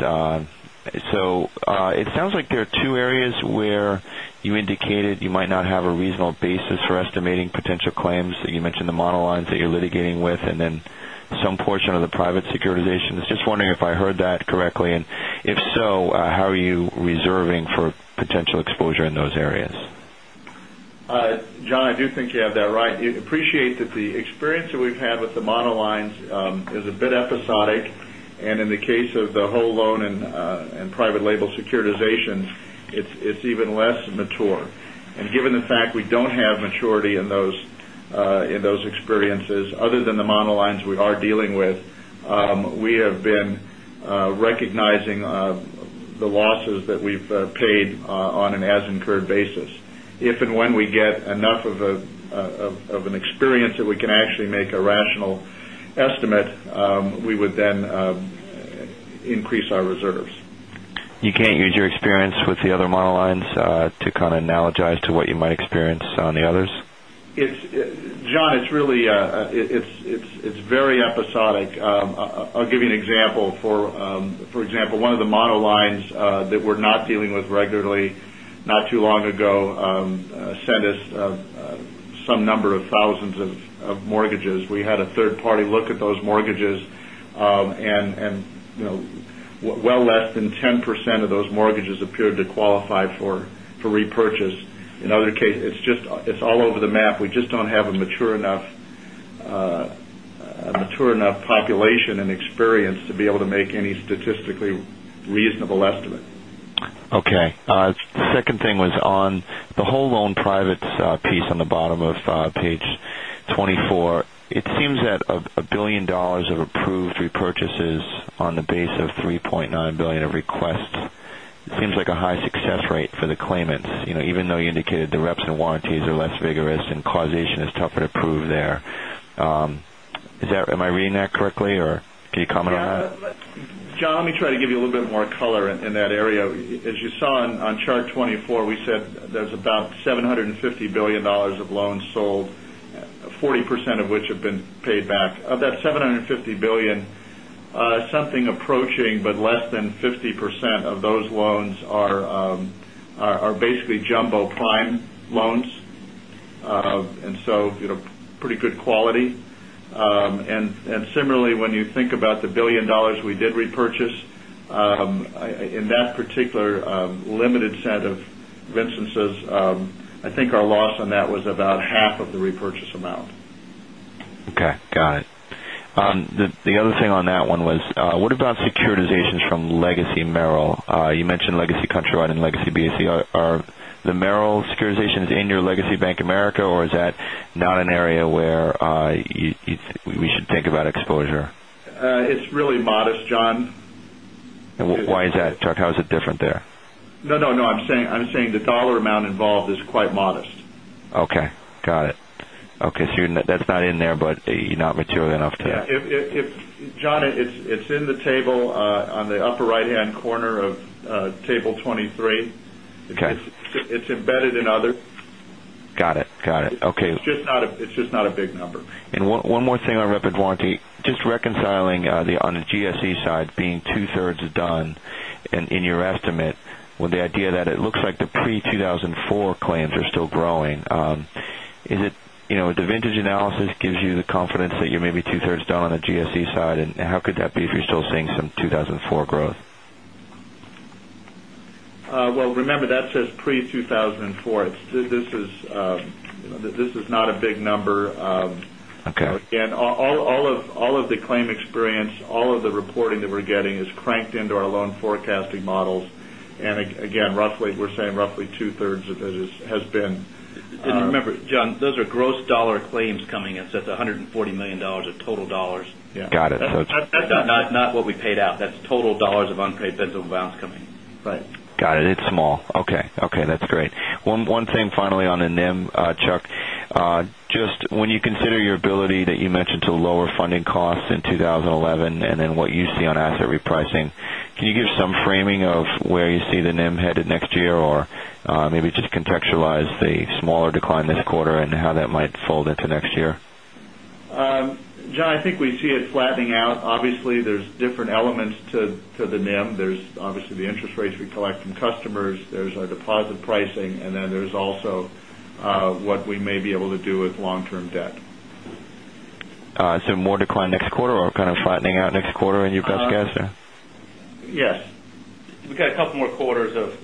F: So it sounds like there are 2 areas where you indicated you might not have a reasonable basis for estimating potential claims that you mentioned the monologues that you're litigating with and then some portion of the private securitizations. Just wondering if I heard that correctly and if so, how are you reserving for potential exposure in those areas?
D: John, I do think you have that right. I appreciate that the experience that we've had with the monoline is a bit episodic. And in the case of the whole loan and private label securitizations, it's even less mature. And given the fact we don't have maturity in those experiences other than the monologues we are dealing with, we have been recognizing the losses that we've paid on an as incurred basis. If and when we get enough of an experience that we can actually make a rational estimate, we would then increase our reserves.
F: You can't use your experience with the other monolines to kind of analogize to what you might experience on the others?
D: John, it's really it's very episodic. I'll give you an example. For example, one of the monolines that we're not dealing with regularly not too long ago sent us some number of thousands of mortgages. We had a third party look at those mortgages and well less than 10% of those mortgages appeared to qualify for repurchase. In other cases, it's just it's all over the map. We just don't have a mature enough population and experience to be able to make any statistically reasonable estimate.
F: Okay. The second thing was on the whole loan privates piece on the bottom of Page a high success rate for the claimants, even though you indicated the reps and warranties are less vigorous and causation is tougher to prove there. Is that am I reading that correctly or can you comment on
C: that? Yes.
D: John, let me try to give you a little bit more color in that area. As you saw on Chart 24, we said there's about $750,000,000,000 of loans sold, 40% of which have been paid back. Of that $750,000,000,000 something approaching, but less than 50% of those loans are basically jumbo prime loans. And so pretty good quality. And similarly, when you think about the $1,000,000,000 we did repurchase, in that particular limited set of instances, I think our loss on that was about half of the repurchase amount.
F: Okay. Got it. The other thing on that one was what about securitizations from legacy Merrell? You mentioned legacy Countrywide and legacy BAC. Are the Merrell securitizations in your legacy Bank America? Or is that not an area where we should think about exposure?
D: It's really modest, John.
F: And why is that, Chuck? How is it different there?
D: No, no, no. I'm saying the dollar amount involved is quite modest.
F: Okay, got it. Okay, so that's not in there, but not material enough to
D: Yes. John, it's in the table on the upper right hand corner of Table 23. Okay. It's embedded in other.
F: Got it. Got it. Okay.
D: It's just not a big number.
F: And one more thing on rapid warranty. Just reconciling on the GSE side being 2 thirds done in your estimate with the idea that it looks like the pre-two thousand and four claims are still growing. Is it the vintage analysis gives you the confidence that you're maybe 2 thirds down on the GSE side and how could that be if you're still seeing some 2,004 growth?
D: Well, remember that says pre-two thousand and four. This is not a big number. Again, all of the claim experience, all of the reporting that we're getting is cranked into our loan forecasting models. And again, roughly we're saying roughly 2 thirds of it has been.
C: And remember, John, those are gross dollar claims coming in, so it's $140,000,000 of total dollars.
F: Got it. That's
C: not what we paid out. That's total dollars of unpaid pencil balance coming.
F: Got it. It's small. Okay. Okay. That's great. One thing finally on the NIM, Chuck. Just when you consider your ability that you mentioned to lower funding costs in 2011 and then what you see on asset repricing. Can you give some framing of where you see the NIM headed next year or maybe just contextualize the smaller decline this quarter and how that might fold into next year?
C: John, I think we
D: see it flattening out. Obviously, there's different elements to the NIM. There's obviously interest rates we collect from customers. There's our deposit pricing and then there's also what we may be able to do with long term debt.
F: So more decline next quarter or kind of flattening out next quarter in your press, guys?
C: Yes. We've got a couple more quarters of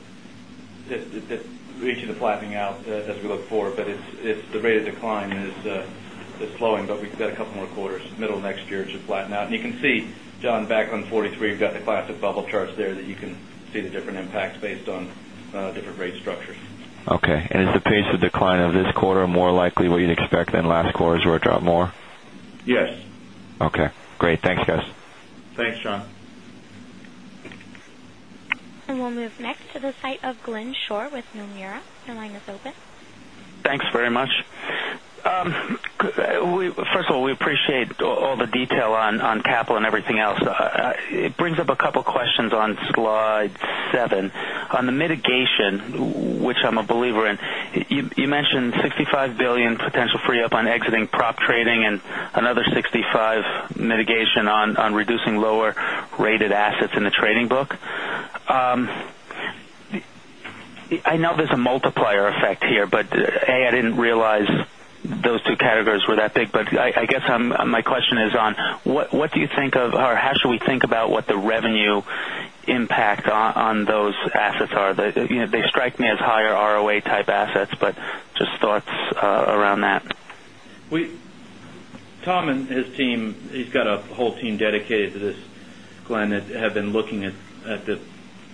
C: reaching the flattening out as we look forward, but it's the rate of decline is slowing, but we've got a couple more quarters middle of next year to flatten out. And you can see, John, back on 43, we've got the classic bubble charts there that you can see the different impacts based on different rate structures.
F: Okay. And is the pace of decline of this quarter more likely what you'd expect than last quarter's where it dropped more?
D: Yes.
F: Okay, great. Thanks guys.
D: Thanks, John.
A: And we'll move next to the site of Glenn Schorr with Nomura. Your line is open.
E: Thanks very much. First of all, we appreciate all the detail on capital and everything else. It brings up a couple of questions on Slide 7. On the mitigation, here, but A, I didn't realize those 2 categories were that big, but I guess my question is on what do you think of or how should we think about what the revenue impact on those assets are? They strike me as higher ROA type assets, but just thoughts around that.
H: Tom and his team, he's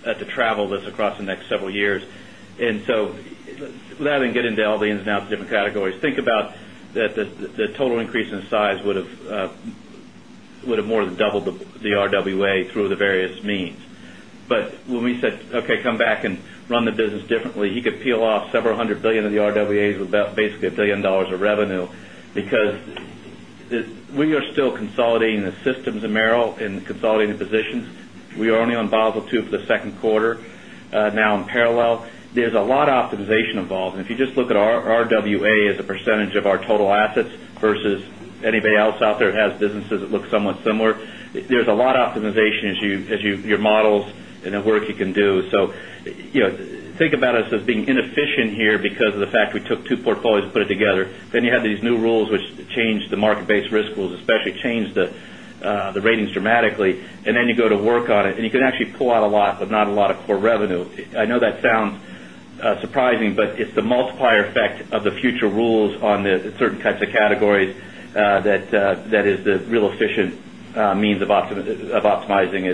C: at the travel this across the next several years. And so without having to get into LVNs and out of different categories, think about that the total increase in size would have more than doubled the RWA through the various means. But when we said, okay, come back and run the business differently, he could peel off several 100,000,000,000 of the RWAs with about basically $1,000,000,000 of revenue because we are still consolidating the systems of Merrell and consolidating the positions. We are only on Basel II for the Q2, now in parallel. There's a lot of optimization involved. And if you just look at our RWA as a percentage of our total assets versus anybody else out there that has businesses that look somewhat similar, there's a lot of optimization as your models and the work you can do. So think about us as being inefficient here because of the fact we took 2 portfolios and put it together. Then you have these new rules which change the market based risk rules, especially change the ratings dramatically. And then you go to work on it and you can actually pull out a lot, but not a lot of core revenue. I know that sounds surprising, but it's the multiplier effect of the future rules on the certain types of categories that is the real efficient means of optimizing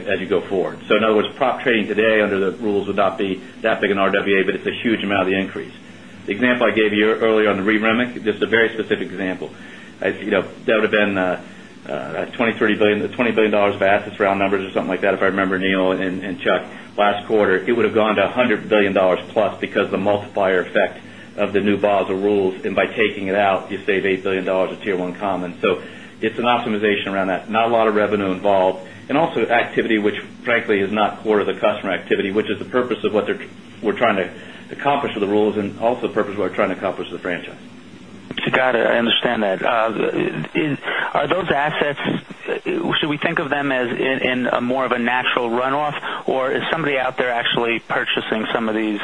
C: example I gave you earlier on the REMIC, just a very specific example. That would have been $20,000,000,000 $30,000,000,000 of assets for our numbers or something like that if I remember Neil and Chuck last quarter, it would have gone to $100,000,000,000 plus because the multiplier effect of the new Basel rules and by taking it out you save $8,000,000,000 of Tier 1 common. So it's an optimization around that. Not a lot of revenue involved. And also activity, which frankly is not core to the customer activity, which is the purpose of what we're trying to accomplish with the rules and also the purpose of what we're trying to accomplish with the franchise.
E: Got it. I understand that. Are those assets should we of them as in a more of a natural runoff or is somebody out there actually purchasing some of these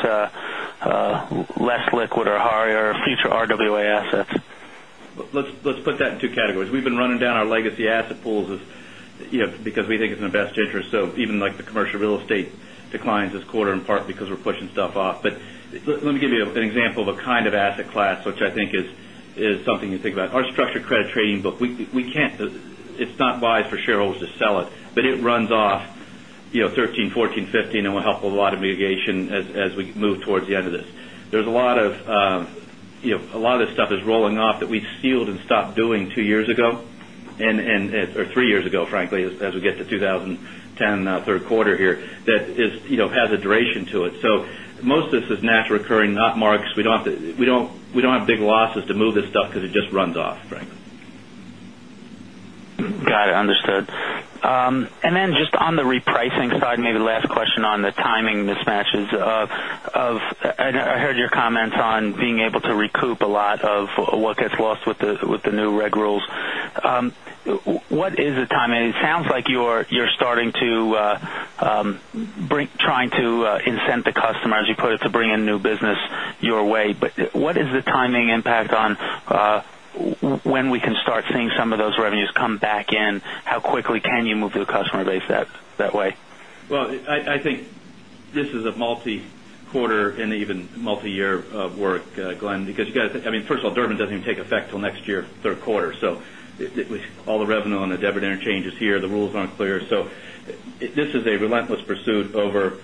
E: less liquid or higher future RWA assets?
C: Let's put that in 2 categories. We've been running down our legacy asset pools because we think it's in the best interest. So even like the commercial real estate declines this quarter in part because we're pushing stuff off. But let me give you an example of a kind of asset class, which I think is something you think about. Our structured credit trading book, we can't it's not buy for shareholders to sell it, but it runs off 13, 14, 15
G: and will help a lot
C: of mitigation as we move towards the end of this. There's a lot of this stuff is rolling off that we've sealed and stopped doing 2 years ago or 3 years ago, frankly, as we get to 20 10 Q3 here that has a duration to it. So most of this is natural occurring, not marks. We don't have big losses to move this stuff because it just runs off, Frank.
E: Got it. Understood. And then just on the repricing side, maybe last question on the timing mismatches of I heard your comments on being able to recoup a lot of what gets lost with the new reg rules. What is the timing? It sounds like you're starting to bring trying to incent the customer as you put it to bring in new business your way. But what is the timing impact on when we can start seeing some of those revenues come back in? How quickly can you move to the customer base that way?
C: Well, I think this is a multi quarter and even multi year work, Glenn, because you guys I mean, 1st of all, Durbin doesn't even take effect till next year Q3. So all the revenue on debiting changes here. The rules aren't clear. So this is a relentless pursuit over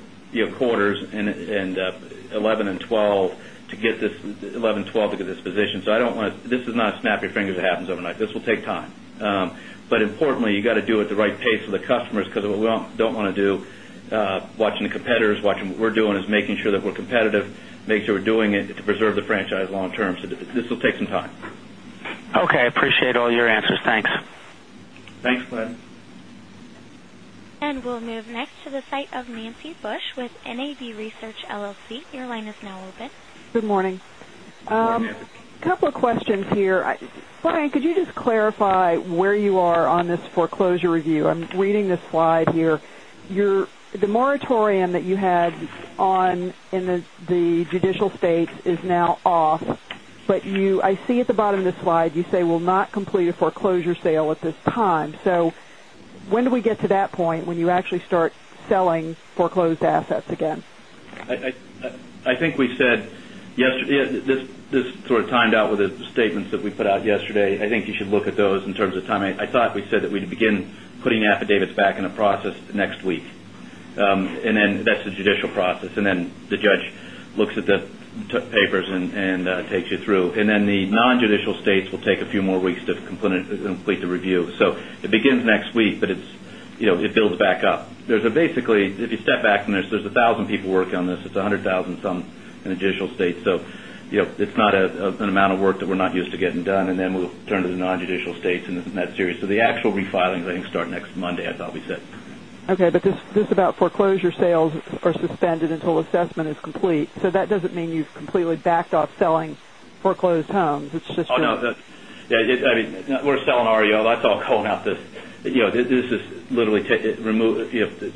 C: quarters and 11, 12 to get this position. So I don't want to this is not a snap your fingers that happens overnight. This will take time. But importantly, you got to do it at the right pace for the customers because of what we don't want to do, watching the competitors, watching what we're doing is making sure that we're competitive, make sure we're doing it to preserve the franchise long term. So this will take some time.
E: Okay. Appreciate all your answers. Thanks.
C: Thanks, Glenn.
A: And we'll move next to the site of Nancy Bush with NAB Research LLC. Your line is now open.
I: Good morning.
C: Good morning, Nancy.
I: Couple of questions here. Brian, could you just clarify where you are on this foreclosure review? I'm reading this slide here. Your the moratorium that you had on in the judicial states is now off, but you I see at the bottom of the slide, you say we'll not complete a foreclosure sale at this time. So when do we get to that point when you actually start selling foreclosed assets again?
C: I think we said this sort of timed out with the statements that we put out yesterday. I think you should look at those in terms of timing. I thought said that we'd begin putting affidavits back in the process next week. And then that's the judicial process. And then the judge looks at the papers and takes you through. And then the non judicial states will take a few more weeks to complete the review. So it begins next week, but it builds back up. There's a basically if you step back and there's 1,000 people working on this, it's 100,000 some in the judicial states. So it's not an amount of work that we're not used to getting done. And then we'll turn to the non judicial states in that series. So the actual refilings, I think, start next Monday, as I'll be said.
I: Okay. But this about foreclosure sales are suspended until assessment is complete. So that doesn't mean you've completely backed off selling foreclosed homes. It's just
C: No, no. I mean, we're selling REO. That's all calling out this. This is literally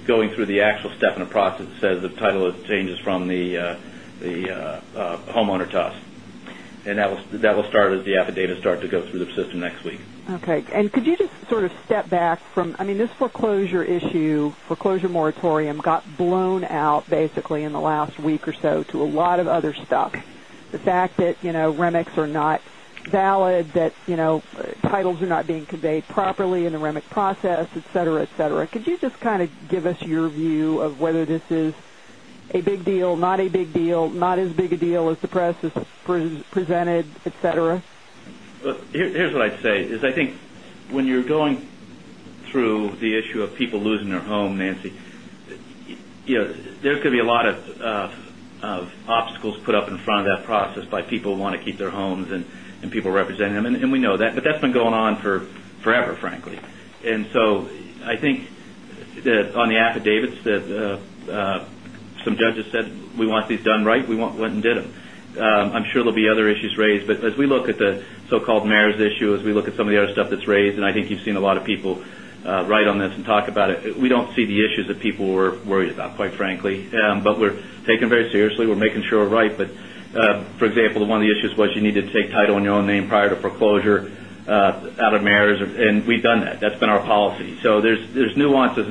C: going through the actual step in the process. It says the title of changes from the homeowner to us. And that will start as the affidavit start to go through the system next week.
I: Okay. And could you just sort of step back from I mean this foreclosure issue foreclosure moratorium got blown out basically in the last week or so to a lot of other stuff. The fact that REMICs are not valid, that titles are not being conveyed properly in the REMIC process, etcetera, etcetera. Could you just kind of give us your view of whether this is a big deal, not a big deal, not as big a deal as the press has presented, etcetera?
C: Here is what I'd say is I think when you're going through the issue of people losing their home, Nancy, there's going to be a lot of obstacles put up in front of that process by people who want to keep their homes and people representing them and we know that, but that's been going on forever, frankly. And so I think that on the affidavits that some judges said, we want these done right. We went and did them. I'm sure there'll be other issues raised. But as we look at the so called mayor's issue, as we look at some of the other stuff that's raised, and I think you've seen a lot of people write on this and talk about it. We don't see the issues that people were worried about quite frankly, but we're taking very seriously. We're making sure we're right. But for example, one of the issues was you need to take title in your own name prior to foreclosure out of Mayors, and we've done that. That's been our policy. So, there's nuances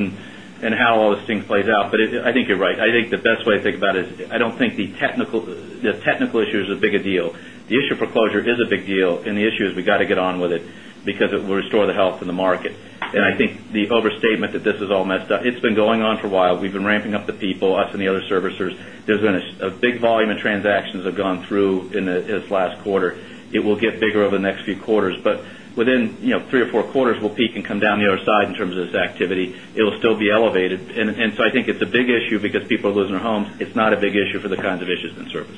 C: in how all those things plays out. But I think you're right. I think the best way to think about it is I don't think the technical issue is a bigger deal. The issue for closure is a big deal and the issue is we got to get on with it because it will restore the health of the market. And I think the overstatement that this is all messed up, it's been going on for a while. We've been ramping up the people, us and the other servicers. There's been a big volume of transactions have gone through in this last quarter. It will get bigger over the next few quarters, but within 3 or 4 quarters, we'll peak and come down the other side in terms of this activity. It will still be elevated. And so I think it's a big issue because people are losing their homes. It's not a big issue for the kinds of issues in service.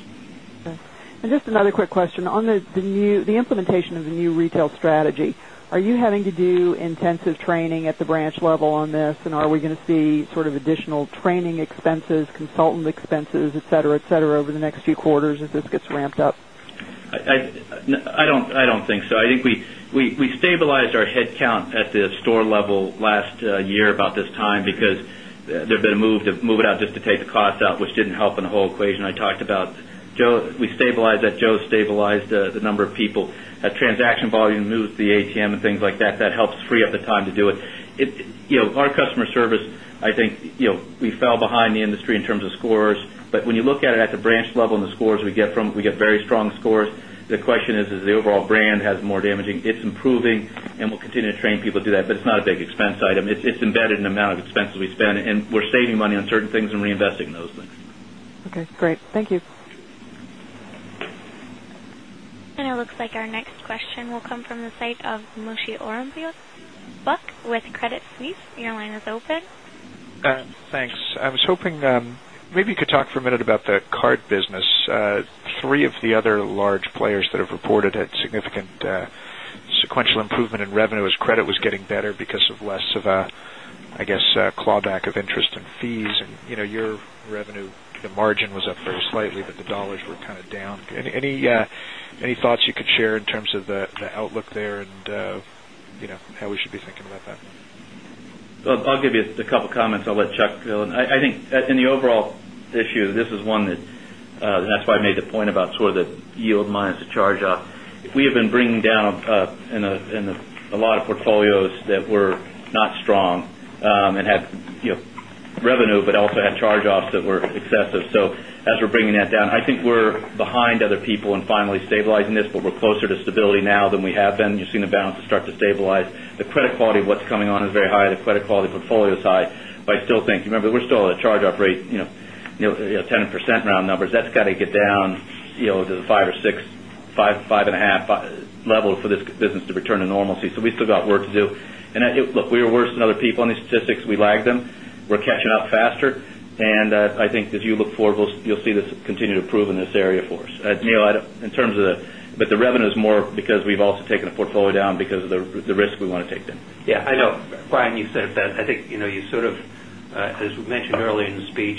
I: Okay. And just another quick question. On the implementation of the new retail strategy, are you having to do intensive training at the branch level on this? And are we going to see sort of additional training expenses, consultant expenses, etcetera, etcetera over the next few quarters as this gets ramped up?
C: I don't think so. I think we stabilized our headcount at the store level last year about this time because there have been a move to move it out just to take the cost out, which didn't help in the whole equation. I talked about. Joe, we stabilized that Joe stabilized the number of people. That transaction volume moves to the ATM and things like that, that helps free up the time to do it. Our customer service, I think we fell behind the industry in terms of scores. But when you look at it at the branch level and the scores we get from we get very strong scores. The question is, is the overall brand has more damaging. It's improving and we'll continue to train people to do that, but it's not a big expense item. It's embedded in the amount of expenses we spend and we're saving money on certain things and reinvesting those things.
I: Okay, great. Thank you.
A: And it looks like our next question will come from the side of Moshe Orenbuch with Credit Suisse. Your line is open.
J: Thanks. I was hoping Maybe you could talk for a minute about the card business. 3 of the other large players that have reported had significant sequential improvement in revenue as credit was getting better because of less of a, I guess, clawback of interest and fees. And your revenue, the margin was up very slightly, but the dollars were kind of down. Any thoughts you could share in terms of the outlook there and how we should be thinking about that?
C: I'll give you a couple of comments. I'll let Chuck fill in. I think in the overall issue, this is one that that's why I made the point about sort of the yield minus the charge off. We have been bringing down a lot of portfolios that were not strong and had revenue, but also had charge offs that were excessive. So, as we're bringing that down, I think we're behind other people and finally stabilizing this, but we're closer to stability now than we have been. You've seen the balances start to stabilize. The credit quality of what's coming on is very high. The credit quality portfolio is high. But I still think, remember, we're still at a charge off rate, 10 percent round numbers. That's got to get down to the 5% or 6%, 5.5% level for this business to return to normalcy. So we still got work to do. And look, we were worse than other people. On these statistics, we lag them. We're catching up faster. And I think as you look forward, you'll see this continue to improve in this area for us. Neil, in terms of the but the revenue is more because we've also taken a portfolio down because of the risk we want to take them. Yes.
K: I know, Brian, you said that. I think you sort of, as we mentioned earlier in the speech,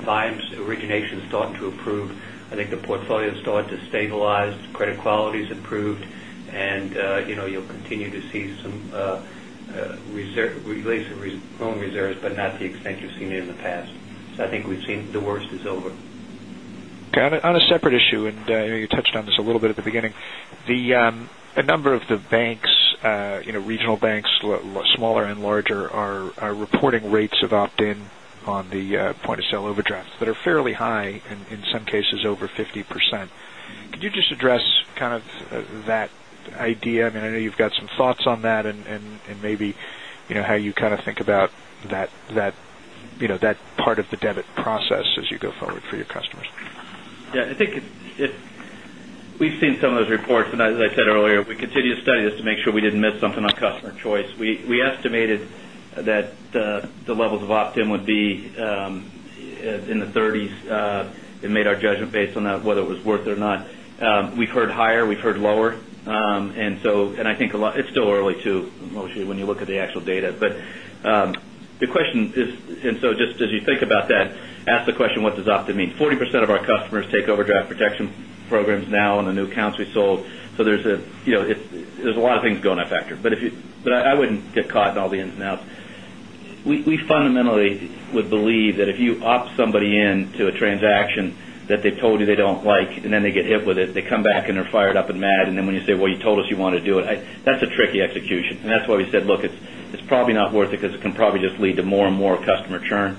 K: volumes origination is starting to improve. I think but not to the extent you've seen in the past. So, I think we've seen the worst is over.
J: Got it. On a separate issue and you touched on this a little bit at the beginning. The number of the banks, regional banks, smaller and larger are reporting rates of opt in on the point of sale overdrafts that are fairly high and in some cases over 50%. Could you just address kind of that idea? I mean, I know you've got some thoughts on that and maybe how you kind of think about that part of the debit process as you go forward for your customers?
C: Yes. I think we've seen some of those reports. And as I said earlier, we continue to study this to make sure we didn't miss something on customer choice. We estimated that the levels of opt in would be in the 30s. We made our judgment based on that whether it was worth it or not. We've heard higher, we've heard lower. And so and I think it's still early too mostly when you look at the actual data. But the question is and so just as you think about that, ask the question what does OPTIM mean? 40% of our customers take overdraft protection programs now on the new accounts we sold. So there's a lot of things going on factor. But I wouldn't get caught in all the ins and outs. We fundamentally would believe that if you opt somebody into a transaction that they've told you they don't like and then they get hit with it, they come back and they're fired up and mad. And then when you say, well, you told us you want to do it, that's a tricky execution. And that's why we said, look, it's probably not worth it because it can probably just lead to more and more customer churn.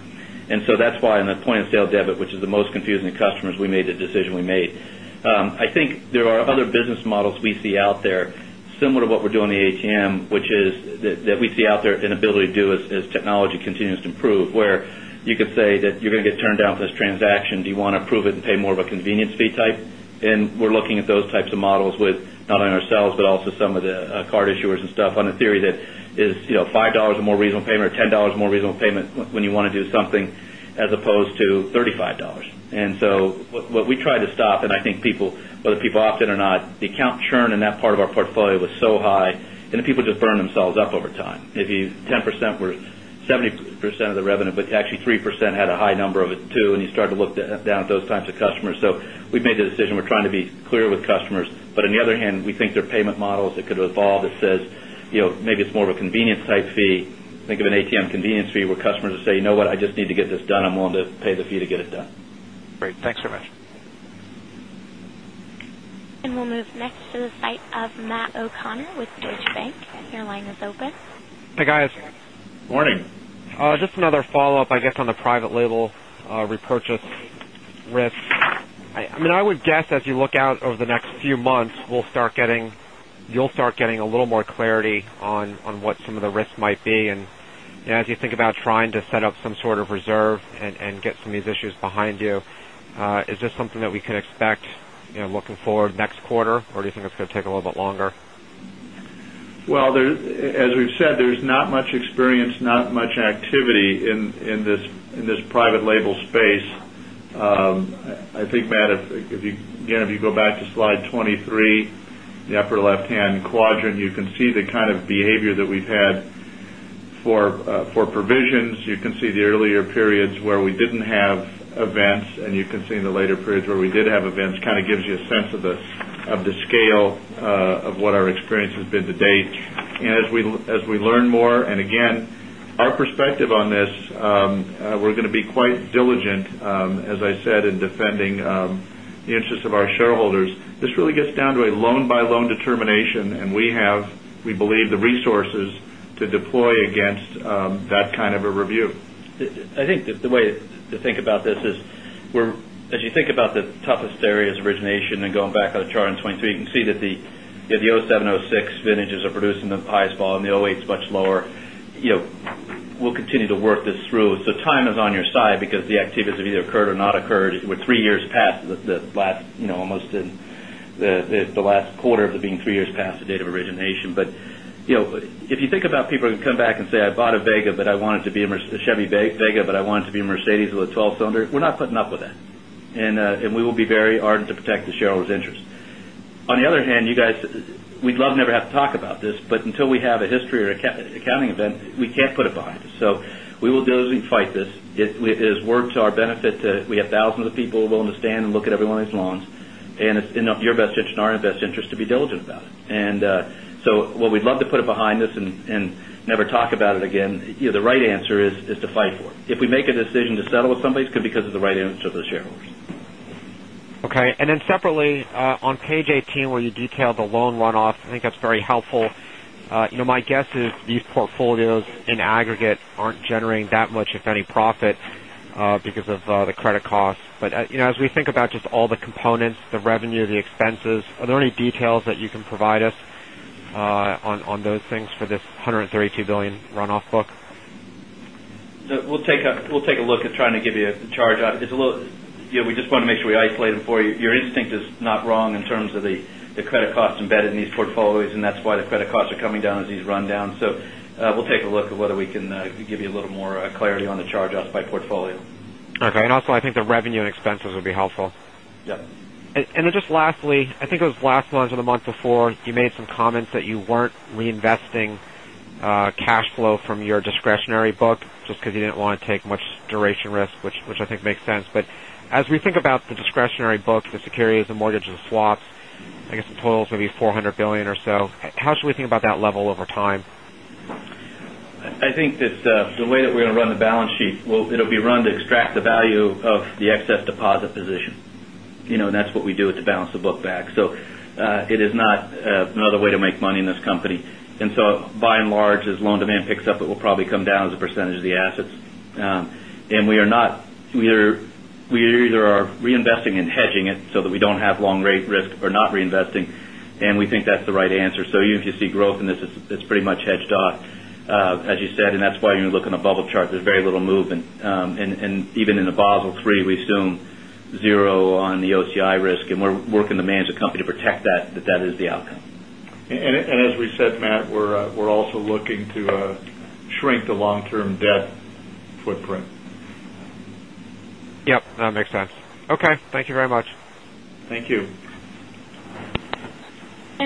C: And that's why in the point of sale debit, which is the most confusing to customers, we made the decision we made. I think there are other business models we see out there similar to what we're doing in the ATM, which is that we see out there an ability to do as technology continues to improve, where you could say that you're going to get turned down for this transaction. Approve it and pay more of a convenience fee type? And we're looking at those types of models with not only ourselves, but also some of the card issuers and stuff on a theory that is $5 a more reasonable payment or $10 more reasonable payment when you want to do something as opposed to $35 And so what we try to stop and I think people, whether people opt in or not, the account churn in that part of our portfolio was so high and the people just burned themselves up over time. If you 10% or 70% of revenue, but actually 3% had a high number of it too and you start to look down at those times of customers. So, we've made the decision. We're trying to be clear with customers. But on the other hand, we think there are payment models that could evolved that says maybe it's more of a convenience type fee. Think of an ATM convenience fee where customers will say, you know what, I just need to get this done. I'm willing to the fee to get it done. Great. Thanks very
A: much. And we'll move next to the site of Matt O'Connor with Deutsche Bank. Your line is open.
C: Hi, guys. Good morning.
H: Just another follow-up, I guess, on the private label repurchase risk. I mean I would guess as you look out over the next few months, we'll start getting you'll start getting a little more clarity on what some of the risks might be. And as you think about trying to set up some sort of reserve and get some of these issues behind you, is this something that we can expect looking forward next quarter or do you think it's going to take a little bit longer?
D: Well, as we've said, there's not much experience, not much activity in this private label space. I think, Matt, again, if you go back to Slide 23, the upper left hand quadrant, you can see the behavior that we've had for provisions. You can see the earlier periods where we didn't have events and can see in the later periods where we did have events kind of gives you a sense of the scale of what our experience has been to date. And as we learn more and again, our perspective on this, we're going to be quite diligent, as I said, in defending the interest of our shareholders. This really gets down to a loan by loan determination and we have, we believe, the resources
C: 2,000,000 going back on the chart in 'twenty three, you can see that the 'seven, 'six vintages are producing the highest volume and the 'eight is much lower. We'll continue to work this through. So, time is on your side because the activities have either occurred or not occurred. We're 3 years past the last almost the last quarter of it being 3 years past the date of origination. But if you think about people who come back and say, I bought a Vega, but I want it to be a Chevy Vega, but I wanted to be a Mercedes with a 12 cylinder, we're not putting up with that. And we will be very hard to protect the shareholders' interest. On the other hand, you guys, we'd love never have to talk about this, but until we have a history or accounting event, we can't put it behind. So we will do as we fight this. It is to our benefit. We have thousands of people who are willing to stand and look at every one of these loans. And it's in your best interest and our best interest to be diligent about it. And so what we'd love to put it behind us and never talk about it again, the right answer is to fight for it. If we make a decision to settle with somebody, it's good because of the right answer to the shareholders.
H: Okay. And then separately, on Page 18, where you detail the loan runoff, I think that's very helpful. My guess is these portfolios in aggregate aren't generating that much if any profit because of the credit costs. But as we think about just all the components, the revenue, the expenses, are there any details that you can provide us on those things for this $132,000,000,000 runoff book?
C: We'll take a look at trying to give you a charge out. It's a little we just want to make sure we isolate it for you. Your instinct is not wrong in terms of the credit costs embedded in these portfolios and that's why the credit costs are coming down as these run down. So we'll take a look at whether we can give you a little more clarity on the charge offs by portfolio.
H: Okay. And also I think the revenue and expenses would be helpful.
C: Yes.
H: And just lastly, I think those last ones are the months before you made some comments that you weren't reinvesting cash flow from your discretionary book just because you didn't want to take much duration risk, which I think makes sense. But as we think about the discretionary book, the securities the mortgages, the swaps, I guess the total is maybe $400,000,000,000 or so. How should we think about that level over time?
C: I think the way that we're going to run the balance sheet, it will be run to extract the value of the excess deposit position. And that's what we do is to balance the book back. So it is not another way to make money in this company. And so by and large, as loan demand picks up, it will probably come down as a percentage of the assets. And we are not we either are reinvesting and hedging it, so that we don't have long rate risk or not reinvesting. And we think that's the right answer. So, if you see growth in this, it's pretty much hedged off, as you said. And that's why when you look in the bubble chart, there's very little movement. And even in the Basel III, we assume 0 on the OCI risk, and we're working to manage the company to protect that, that is the outcome.
D: And as we said, Matt, we're also looking to shrink the long term debt footprint.
A: And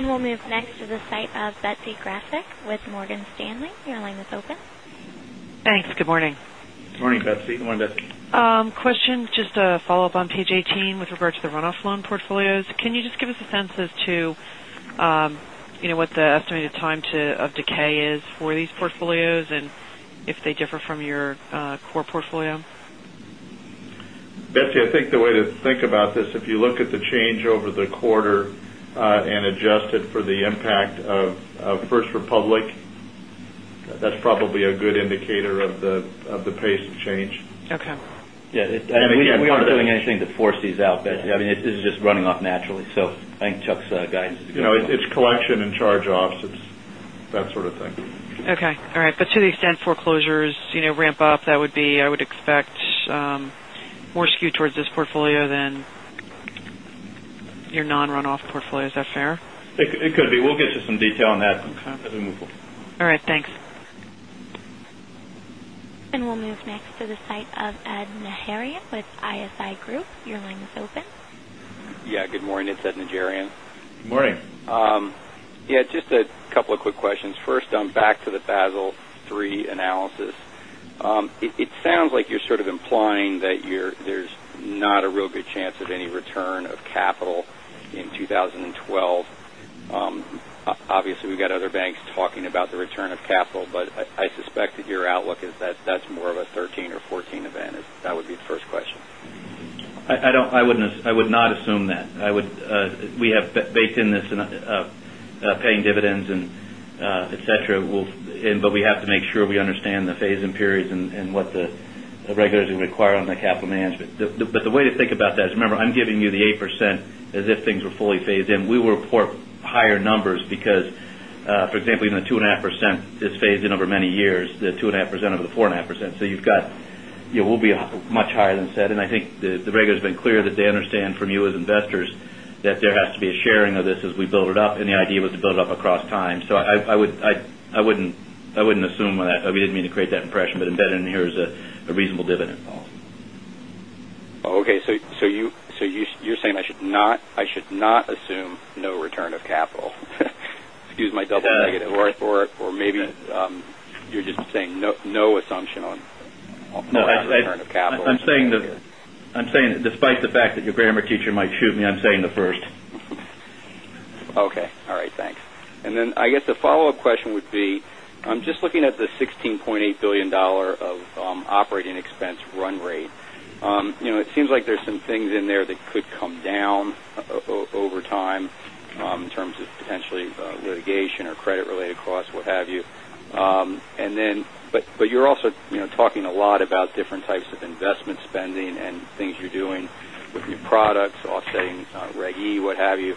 A: we'll move next to the site of Betsy Graseck with Morgan Stanley. Your line is open.
I: Thanks. Good morning.
C: Good morning, Betsy. Good morning, Betsy. Good morning, Betsy.
I: Question, just a follow-up on Page 18 with regards to the runoff loan portfolios. Can you just give us a sense as to what the estimated time to of decay is for these portfolios and if they differ from your core portfolio?
D: Betsy, I think the way to think about this, if you look at the change over the quarter and adjust it for the impact of First Republic, that's probably a good indicator of the pace of change.
I: Okay.
C: Yes. I mean, we aren't doing anything to force these out, but I mean, it's just running off naturally. So I think Chuck's guidance
D: It's collection and charge offs, that sort of thing.
I: Okay. All right. But to the extent foreclosures ramp up, that would be, I would expect, more skewed towards this portfolio than your non runoff portfolio. Is that fair?
C: It could be. We'll get to some detail on that as we move forward. Okay.
I: All right. Thanks.
A: And we'll move next to the site of Ed Najarian with ISI Group. Your line is open.
G: Yes. Good morning. It's Ed and Jerian.
C: Good morning.
G: Yes, just a couple of quick questions. First, back to the Basel III analysis. It sounds like you're sort of implying that there's not a real good chance of any return of capital in 2012. Obviously, we've got other banks talking about the return of capital, but I suspect that your outlook is that that's more of a 2013 or 2014 event. That would be the first question.
C: I would not assume that. We have baked in this paying dividends and etcetera, but we have to make sure we understand the phase in periods and what the regulators are required on the capital management. But the way to think about that is remember, I'm giving you the 8% as if things were fully phased in. We will report higher numbers because, for example, the 2.5% is phased in over many years, the 2.5% over the 4.5%. So, you've got it will be much higher than said. And I think the regulator has been clear that they understand from you as investors that there has to be a sharing of this as we build it up. And the idea was to build up across time. So I wouldn't assume that, we didn't mean to create that impression, but embedded in here is a reasonable dividend policy.
G: Okay. So you're saying I should not assume no return of capital? Excuse my double negative or maybe you're just saying no assumption
C: on capital? No, that's it. I'm saying despite the fact that your grammar teacher might shoot me, I'm saying the first. Okay.
G: All right. Thanks. And then I guess the follow-up question would be, I'm just looking at the 16,800,000,000 dollars of operating expense run rate, it seems like there's some things in there that could come down over time in terms of potentially litigation or credit related costs, what have you. And then but you're also talking a lot about different types of investment spending and things you're doing with new products, offsetting Reg E, what have you.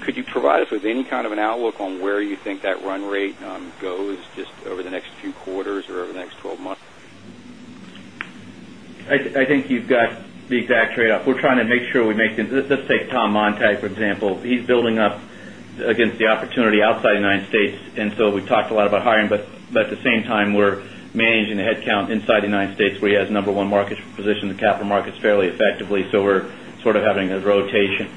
G: Could you provide us with any kind of an outlook on where you think that run rate goes just over the next few quarters or over the next 12 months?
C: I think you've got the exact trade off. We're trying to make sure we make let's take Tom Montag for example. He's building up against the opportunity outside the United States. And so we talked a lot about but at the same time we're managing the headcount inside the United States where he has number one market position in the capital markets fairly effectively. So, we're sort of having a rotation.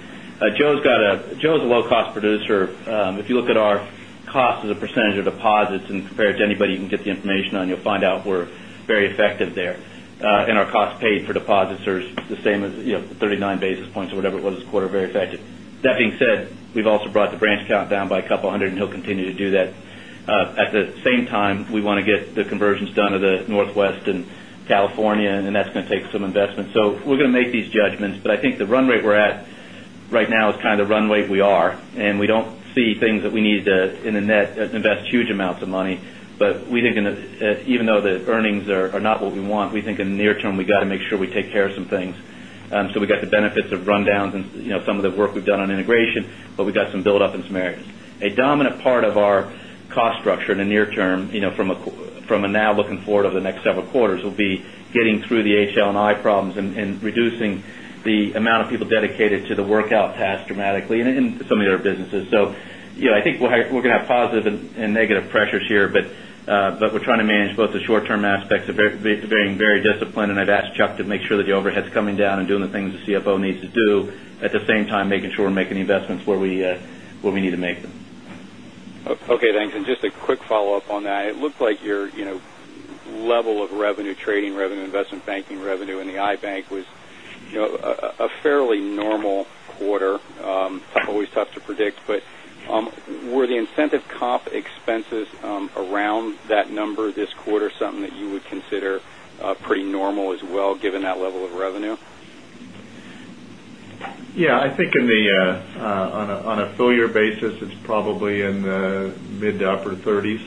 C: Joe's got a Joe's a low cost producer. If you look at our cost as a percentage of deposits and compare it to anybody you can get the information on, you'll find out we're very effective there. And our cost paid for deposits are the same as the 39 basis points or whatever it was this quarter very effective. That being said, we've also brought the branch count down by a couple of 100 and he'll continue to do that. At the same time, we want to get Northwest and California and that's going to take some investments. So we're going to make these judgments, but I think the run rate we're at right now is kind of the run rate we are. And we don't see things that we need to invest huge amounts of money. But we think even though the earnings are not what we want, we think in the near term we got make sure we take care of some things. So we got the benefits of rundowns and some of the work we've done on integration, but we got some build up in some areas. A dominant part of cost structure in the near term from a now looking forward over the next several quarters will be getting through the HL and I problems and reducing the amount of people dedicated to the workout task dramatically in some of the other businesses. So, I think we're going to have positive and negative pressures here, but we're trying to manage both the short term aspects of being very disciplined. And I'd ask Chuck to make sure that the overhead is coming down and doing the things the CFO needs to do, at the same time making sure we're making investments where we need to make them.
G: Okay. Thanks. And just a quick follow-up on that. It looks like your level of revenue trading revenue, investment banking revenue in the Ibank was a fairly normal quarter.
C: Always tough to predict,
G: but were the incentive comp expenses around that number this quarter something that you would consider pretty normal as well given that level of revenue?
D: Yes. I think in the on a full year basis, it's probably in the mid to upper 30s.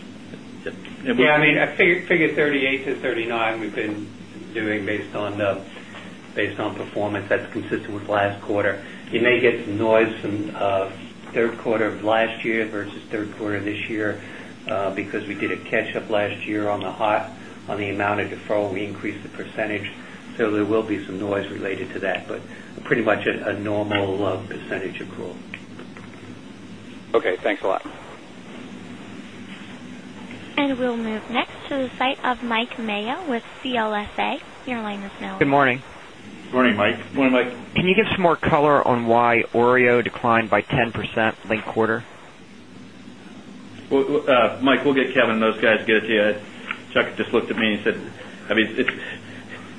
K: Yes, I mean, I figure 38 to 39 we've been doing based on performance. That's consistent with last quarter. You may get some noise in Q3 of last year versus Q3 of this year because we did a catch up last year on the amount of deferral, we increased the percentage. So, there will be some noise related to that, but pretty much a normal percentage accrual.
G: Okay. Thanks a lot.
A: And we'll move next to the site of Mike Mayo with CLSA. Your line is now open.
C: Good morning. Good morning, Mike. Good morning, Mike.
L: Can you give us more color on why OREO declined by 10% linked quarter?
C: Mike, we'll get Kevin and those guys get it to you. Chuck just looked at me and said, I mean,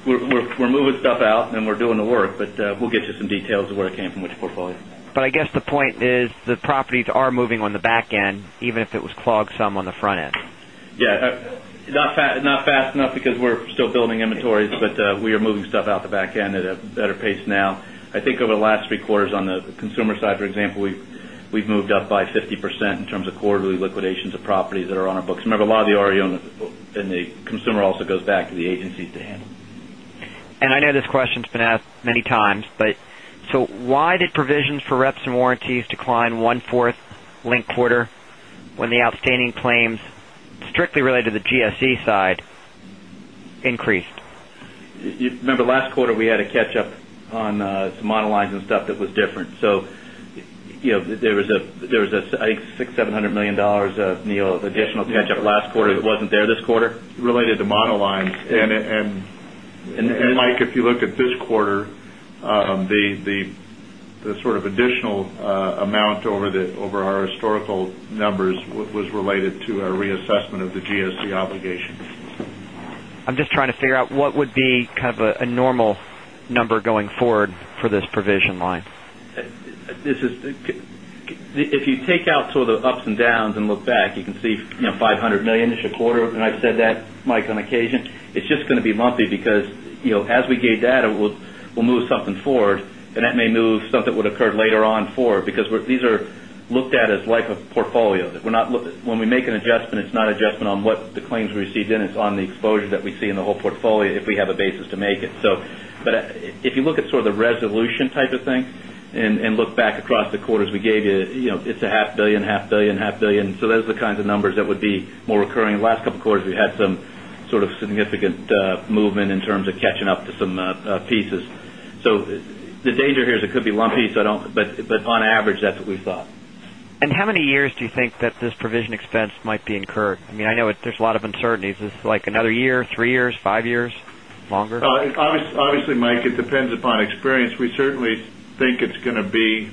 C: we're moving stuff out and we're doing the work, but we'll get you some details of where it came from which portfolio.
L: But I guess the point is the properties are moving on the back end even if it was clogged some on the front end.
C: Yes. Not fast enough because we're still building inventories, but we are moving stuff out the back end at a better pace now. I think over the last three quarters on the consumer side for example, we've moved up by 50% in terms of quarter liquidations of properties that are on our books.
D: Remember a lot
C: of the REO and the consumer also goes back to the agencies to handle.
L: And know this question has been asked many times, but so why did provisions for reps and warranties decline 1 fourth linked quarter when the outstanding claims strictly related to the GSE side increased?
C: Remember last quarter we had a catch up on some monoline and stuff that was different. So there was a I think $600,000,000 $700,000,000 of additional catch up last quarter that wasn't there this quarter? Related to monoline.
D: And Mike, if you look at this quarter, the sort of additional amount over our historical numbers was related to
C: a reassessment of the
L: GSE obligation. I'm just trying to figure out what would be kind of a normal number going forward for this provision line?
C: This is if you take out sort of the ups and downs and look back, you can see $500,000,000 ish quarter and I've said that, Mike, on occasion. It's just going to be lumpy because as we gave that, we'll move something forward and that may move something would occur later on forward because these are looked at as like a portfolio. When we make an adjustment, it's not adjustment on what the claims received and it's on the exposure that we see in the whole portfolio if we have a basis to make it. So, but if you look at sort of the resolution type of thing and look back across the quarters we gave you, it's a half $1,000,000,000 $5,000,000,000 $5,000,000,000 So those are the kinds of numbers that would be more recurring. Last couple of quarters, we had some sort of significant movement in terms of catching up to some pieces. So the danger here is it could be lumpy, so I don't but on average that's what we thought.
L: And how many years do you think that this provision expense might be incurred? I mean, I know there's a lot of uncertainties. Is this like another year, 3 years, 5 years, longer?
D: Obviously, Mike, it depends upon experience. We certainly think it's going to be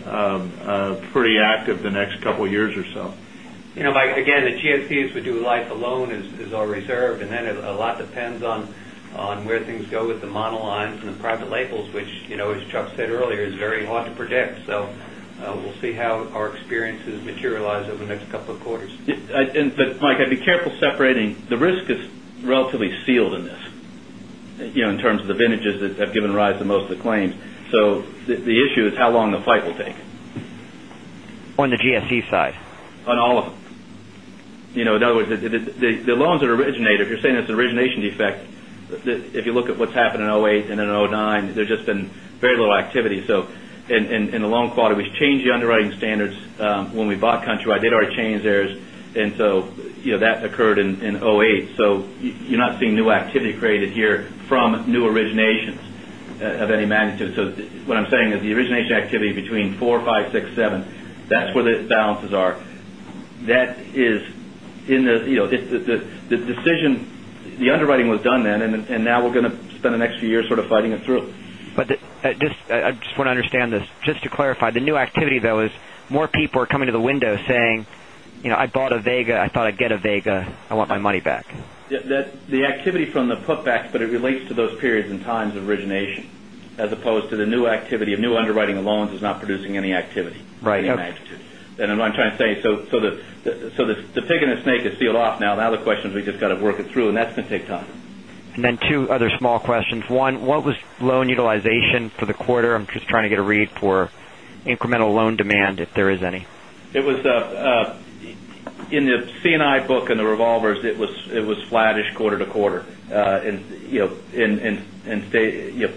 D: pretty active the next couple of years or so.
K: Again, the GSPs we do life alone is our reserve and then a lot depends on where things go with the monolines and the private labels, which, as Chuck said earlier, is very hard to predict. So, we'll see how our experiences materialize over the
C: careful separating. The risk is relatively sealed in this in terms of the vintages that have given rise to most of the claims. So the issue is how long the fight will take.
L: On the GSE side?
C: On all of them. In other words, the loans that originated, if you're saying it's an origination defect, if you look at what's happened in 2008 and in 2009, there's just been very little activity. So in the loan quarter, we've changed the underwriting standards when we bought Countrywide. They'd already changed theirs. And so, that occurred in 2008. So, you're not seeing new activity created here from new originations of any magnitude. So what I'm saying is the origination activity between 4, 5, 6, 7, that's where the balances are. That is in the decision the underwriting was done then and now we're going to spend the next few years sort of fighting it through.
L: But just I just want to understand this. Just to clarify, the new activity though is more people are coming to the window saying, I bought a Vega, I thought I'd get a Vega, I want my money back.
C: The activity from the put back, but it relates to periods and times of origination as opposed to the new activity of new underwriting of loans is not producing any activity. Right. And what I'm trying to say, so the pig
L: to get a read for incremental loan demand, if there is any.
C: It was in the C and I book and the revolver, it was flattish quarter to quarter and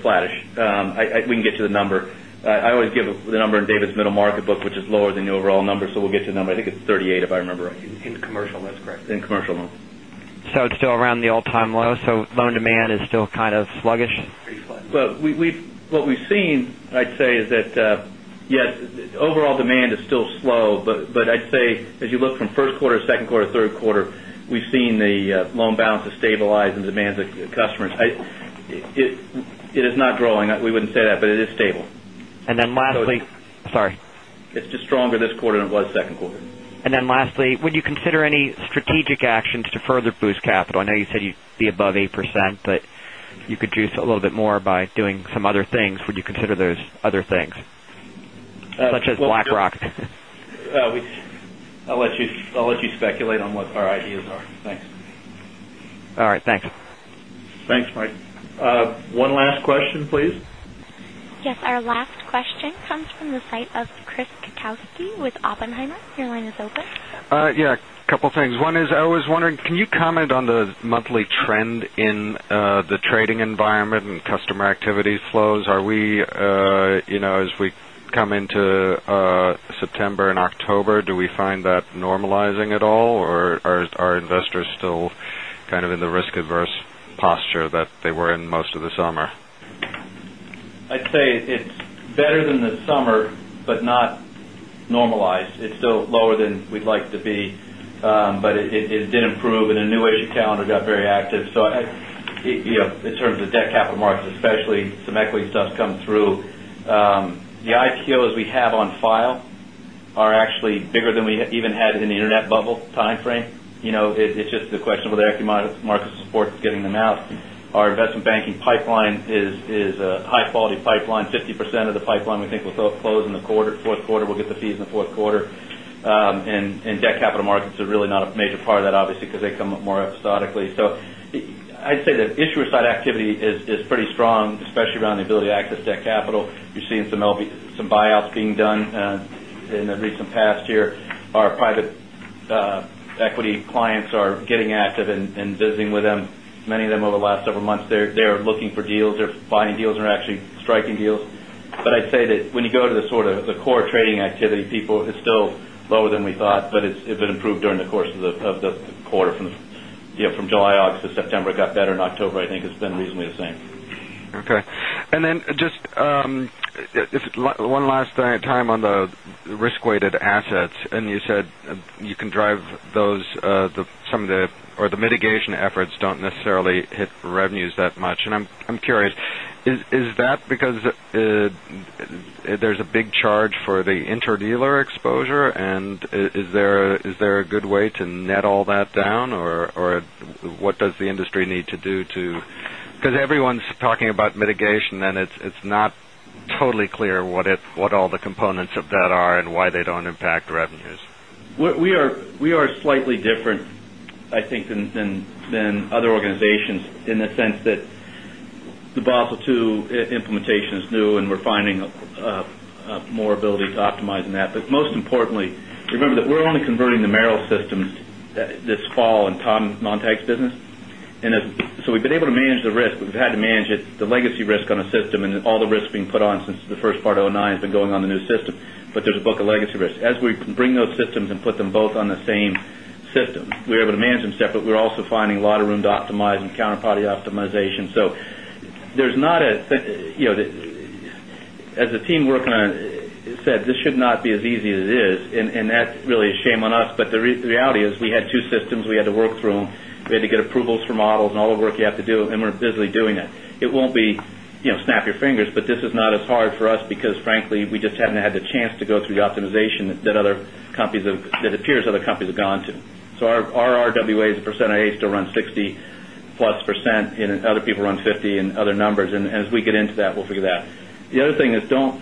C: flattish. We can get you the number. I always give the number in David's middle market book, which is lower than the overall number. So we'll get to the number. I think it's 38 if I remember right. In commercial, that's correct. In commercial loan.
L: So it's still around the all time low. So loan demand is still kind of sluggish?
C: Pretty slow. What we've seen, I'd say, is that, yes, overall demand is still slow. But I'd say as you look from Q1, Q2, Q3, we've seen the loan balances stabilize and demand the customers. It is not growing. We wouldn't say that, but it is stable.
L: And then lastly
C: sorry. It's just stronger this quarter than it was second quarter.
L: And then lastly, would you consider any strategic actions to further boost capital? I know you said you'd be above 8%, but you could juice a little bit more by doing some other things. Would you consider those other things such as BlackRock?
C: I'll let you speculate on what our ideas are. Thanks.
L: All right. Thanks.
D: Thanks, Mike. One last question please.
A: Yes. Our last question comes from the site of Chris Kukauski with Oppenheimer. Your line is open.
M: Yes. Couple of things. One is I was wondering, can you comment on the monthly October, do we find that normalizing at all or are investors still kind of in the risk adverse posture that they were in most of the summer?
C: I'd say it's better than the summer, but not normalized. It's still lower than we'd like to be, but it did improve. And the new issue calendar got very active. So, in terms of debt capital markets, especially some equity stuff's come through. The IPOs we have on file are actually bigger than we even had in the net bubble timeframe. It's just the question whether equity markets support getting them out. Our investment banking pipeline is a high quality pipeline, 50% of the pipeline we think will close in the quarter, Q4, we'll get the fees in the Q4. And debt capital markets are really not a major part of that obviously because they come up more episodically. So, I'd say that issuer side activity is pretty strong, especially around the ability to access debt capital. You're seeing some buy outs being done in the recent past year. Our private equity clients are getting active and visiting with them, many of them over the last several months. They're looking for deals. They're buying deals and are actually striking deals. But I'd say that when you go to the sort of the core trading activity, people, it's still lower than we thought, but it's been improved during the course of the quarter from July, August to September, it got better and October I think it's been reasonably the same.
M: Okay. And then just one last thing at a time on the risk weighted assets and you said you can drive those some of the or the mitigation efforts don't necessarily hit revenues that much. And I'm curious, is that because there's a big charge for the interdealer exposure? And is there a good way to net all that down? Or what does the industry need to do to because everyone's talking about mitigation and it's not totally clear what all the components of that are and why they don't impact revenues?
C: We are slightly different I think than other organizations in the sense that the Basel II implementation is new and we're finding more ability to optimize in that. But most importantly, remember that we're only converting the Merrell systems this fall in Tom Montag's business. And so we've been able to manage the risk. We've had to manage it, the legacy risk on a system and all the risks being put on since the first part 'nine has been going on the new system, but there's a book of legacy risk. As we bring those systems and put them both on the same system, we're able to manage them separate. We're also finding a lot of room to optimize and counterparty optimization. So there's not a as the team working on it said, this should not be as easy as it is and that's really a shame on us. But the reality is we had 2 systems, we had to work through them, we had to get approvals for models and all the work you have to do. And busily doing it. It won't be snap your fingers, but this is not as hard for us because frankly, we just haven't had the chance to go through the optimization that other companies have that appears other companies have gone to. So our RWA as a percent of A still run 60% plus and other people run 50% and other numbers. And as we get into that, we'll figure that. The other thing is don't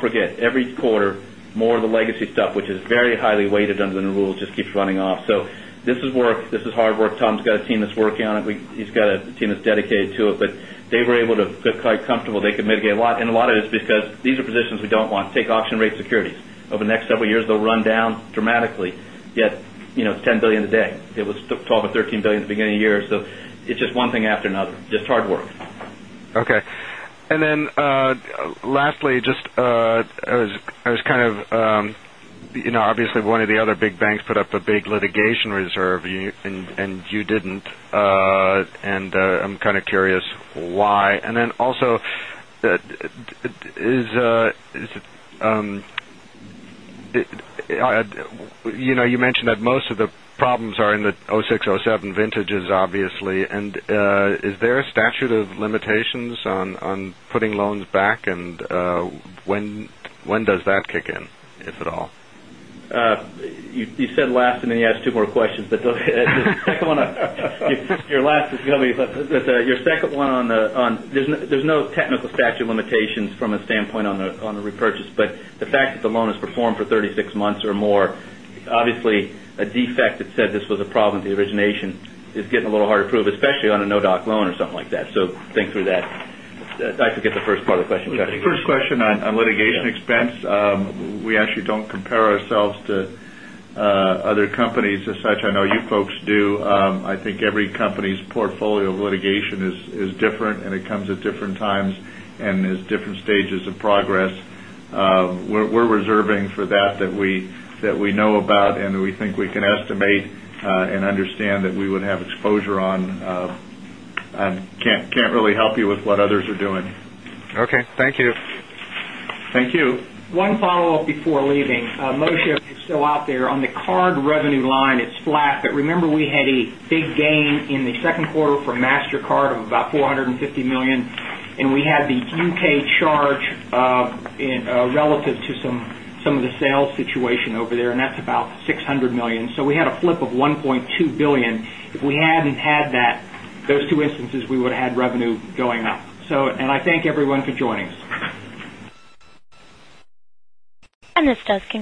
C: forget every quarter more of the legacy stuff, which is very highly weighted under the Tom's got a team that's working on it. He's got a team that's dedicated to it, but they were able to get quite comfortable. They could mitigate a lot. And a lot of it is because these are positions we don't want. Take auction rate securities. Over the next several years, they'll run down dramatically, yet it's $10,000,000,000 a day. It was $12,000,000,000 or $13,000,000,000 at the beginning of the year. So, it's just one thing after another, just hard work.
M: Okay. And then, lastly, just as kind of obviously, one of the other big banks put up a big litigation reserve and you didn't. And I'm kind of curious why. And then also, You mentioned that most of the problems are in the 'six, 'seven vintages obviously. And is there a statute of limitations on putting loans back and when does that kick in,
H: if at all?
C: You said last and then you asked 2 more questions. Your last is going to be your second one on there's no technical statute limitations from a standpoint on the repurchase. But the fact that the loan has performed for 36 months or more, obviously a defect that said this was a problem with the origination is getting a little hard to prove, especially on a no doc loan or something like that. So, think through that. I forget the first part of the question.
D: First question on litigation expense. We actually don't compare ourselves to other companies as such. I know you folks do. I think every company's portfolio of litigation is different and it comes at different times and there's different stages of progress. We're reserving for that that we know about and we think we can estimate I can't really help you with what others are doing.
M: Okay. Thank you. Thank you.
B: One follow-up before leaving. Moshe is still out there. On the card revenue line, it's flat. But remember, we had a big gain in the Q2 for Mastercard of about $450,000,000 and we had the U. K. Charge relative to some of the sales situation over there, and that's about $600,000,000 So we had a flip of $1,200,000,000 If we hadn't had that, those two instances, we would have had revenue going up. So and I thank everyone for joining us.
A: And this does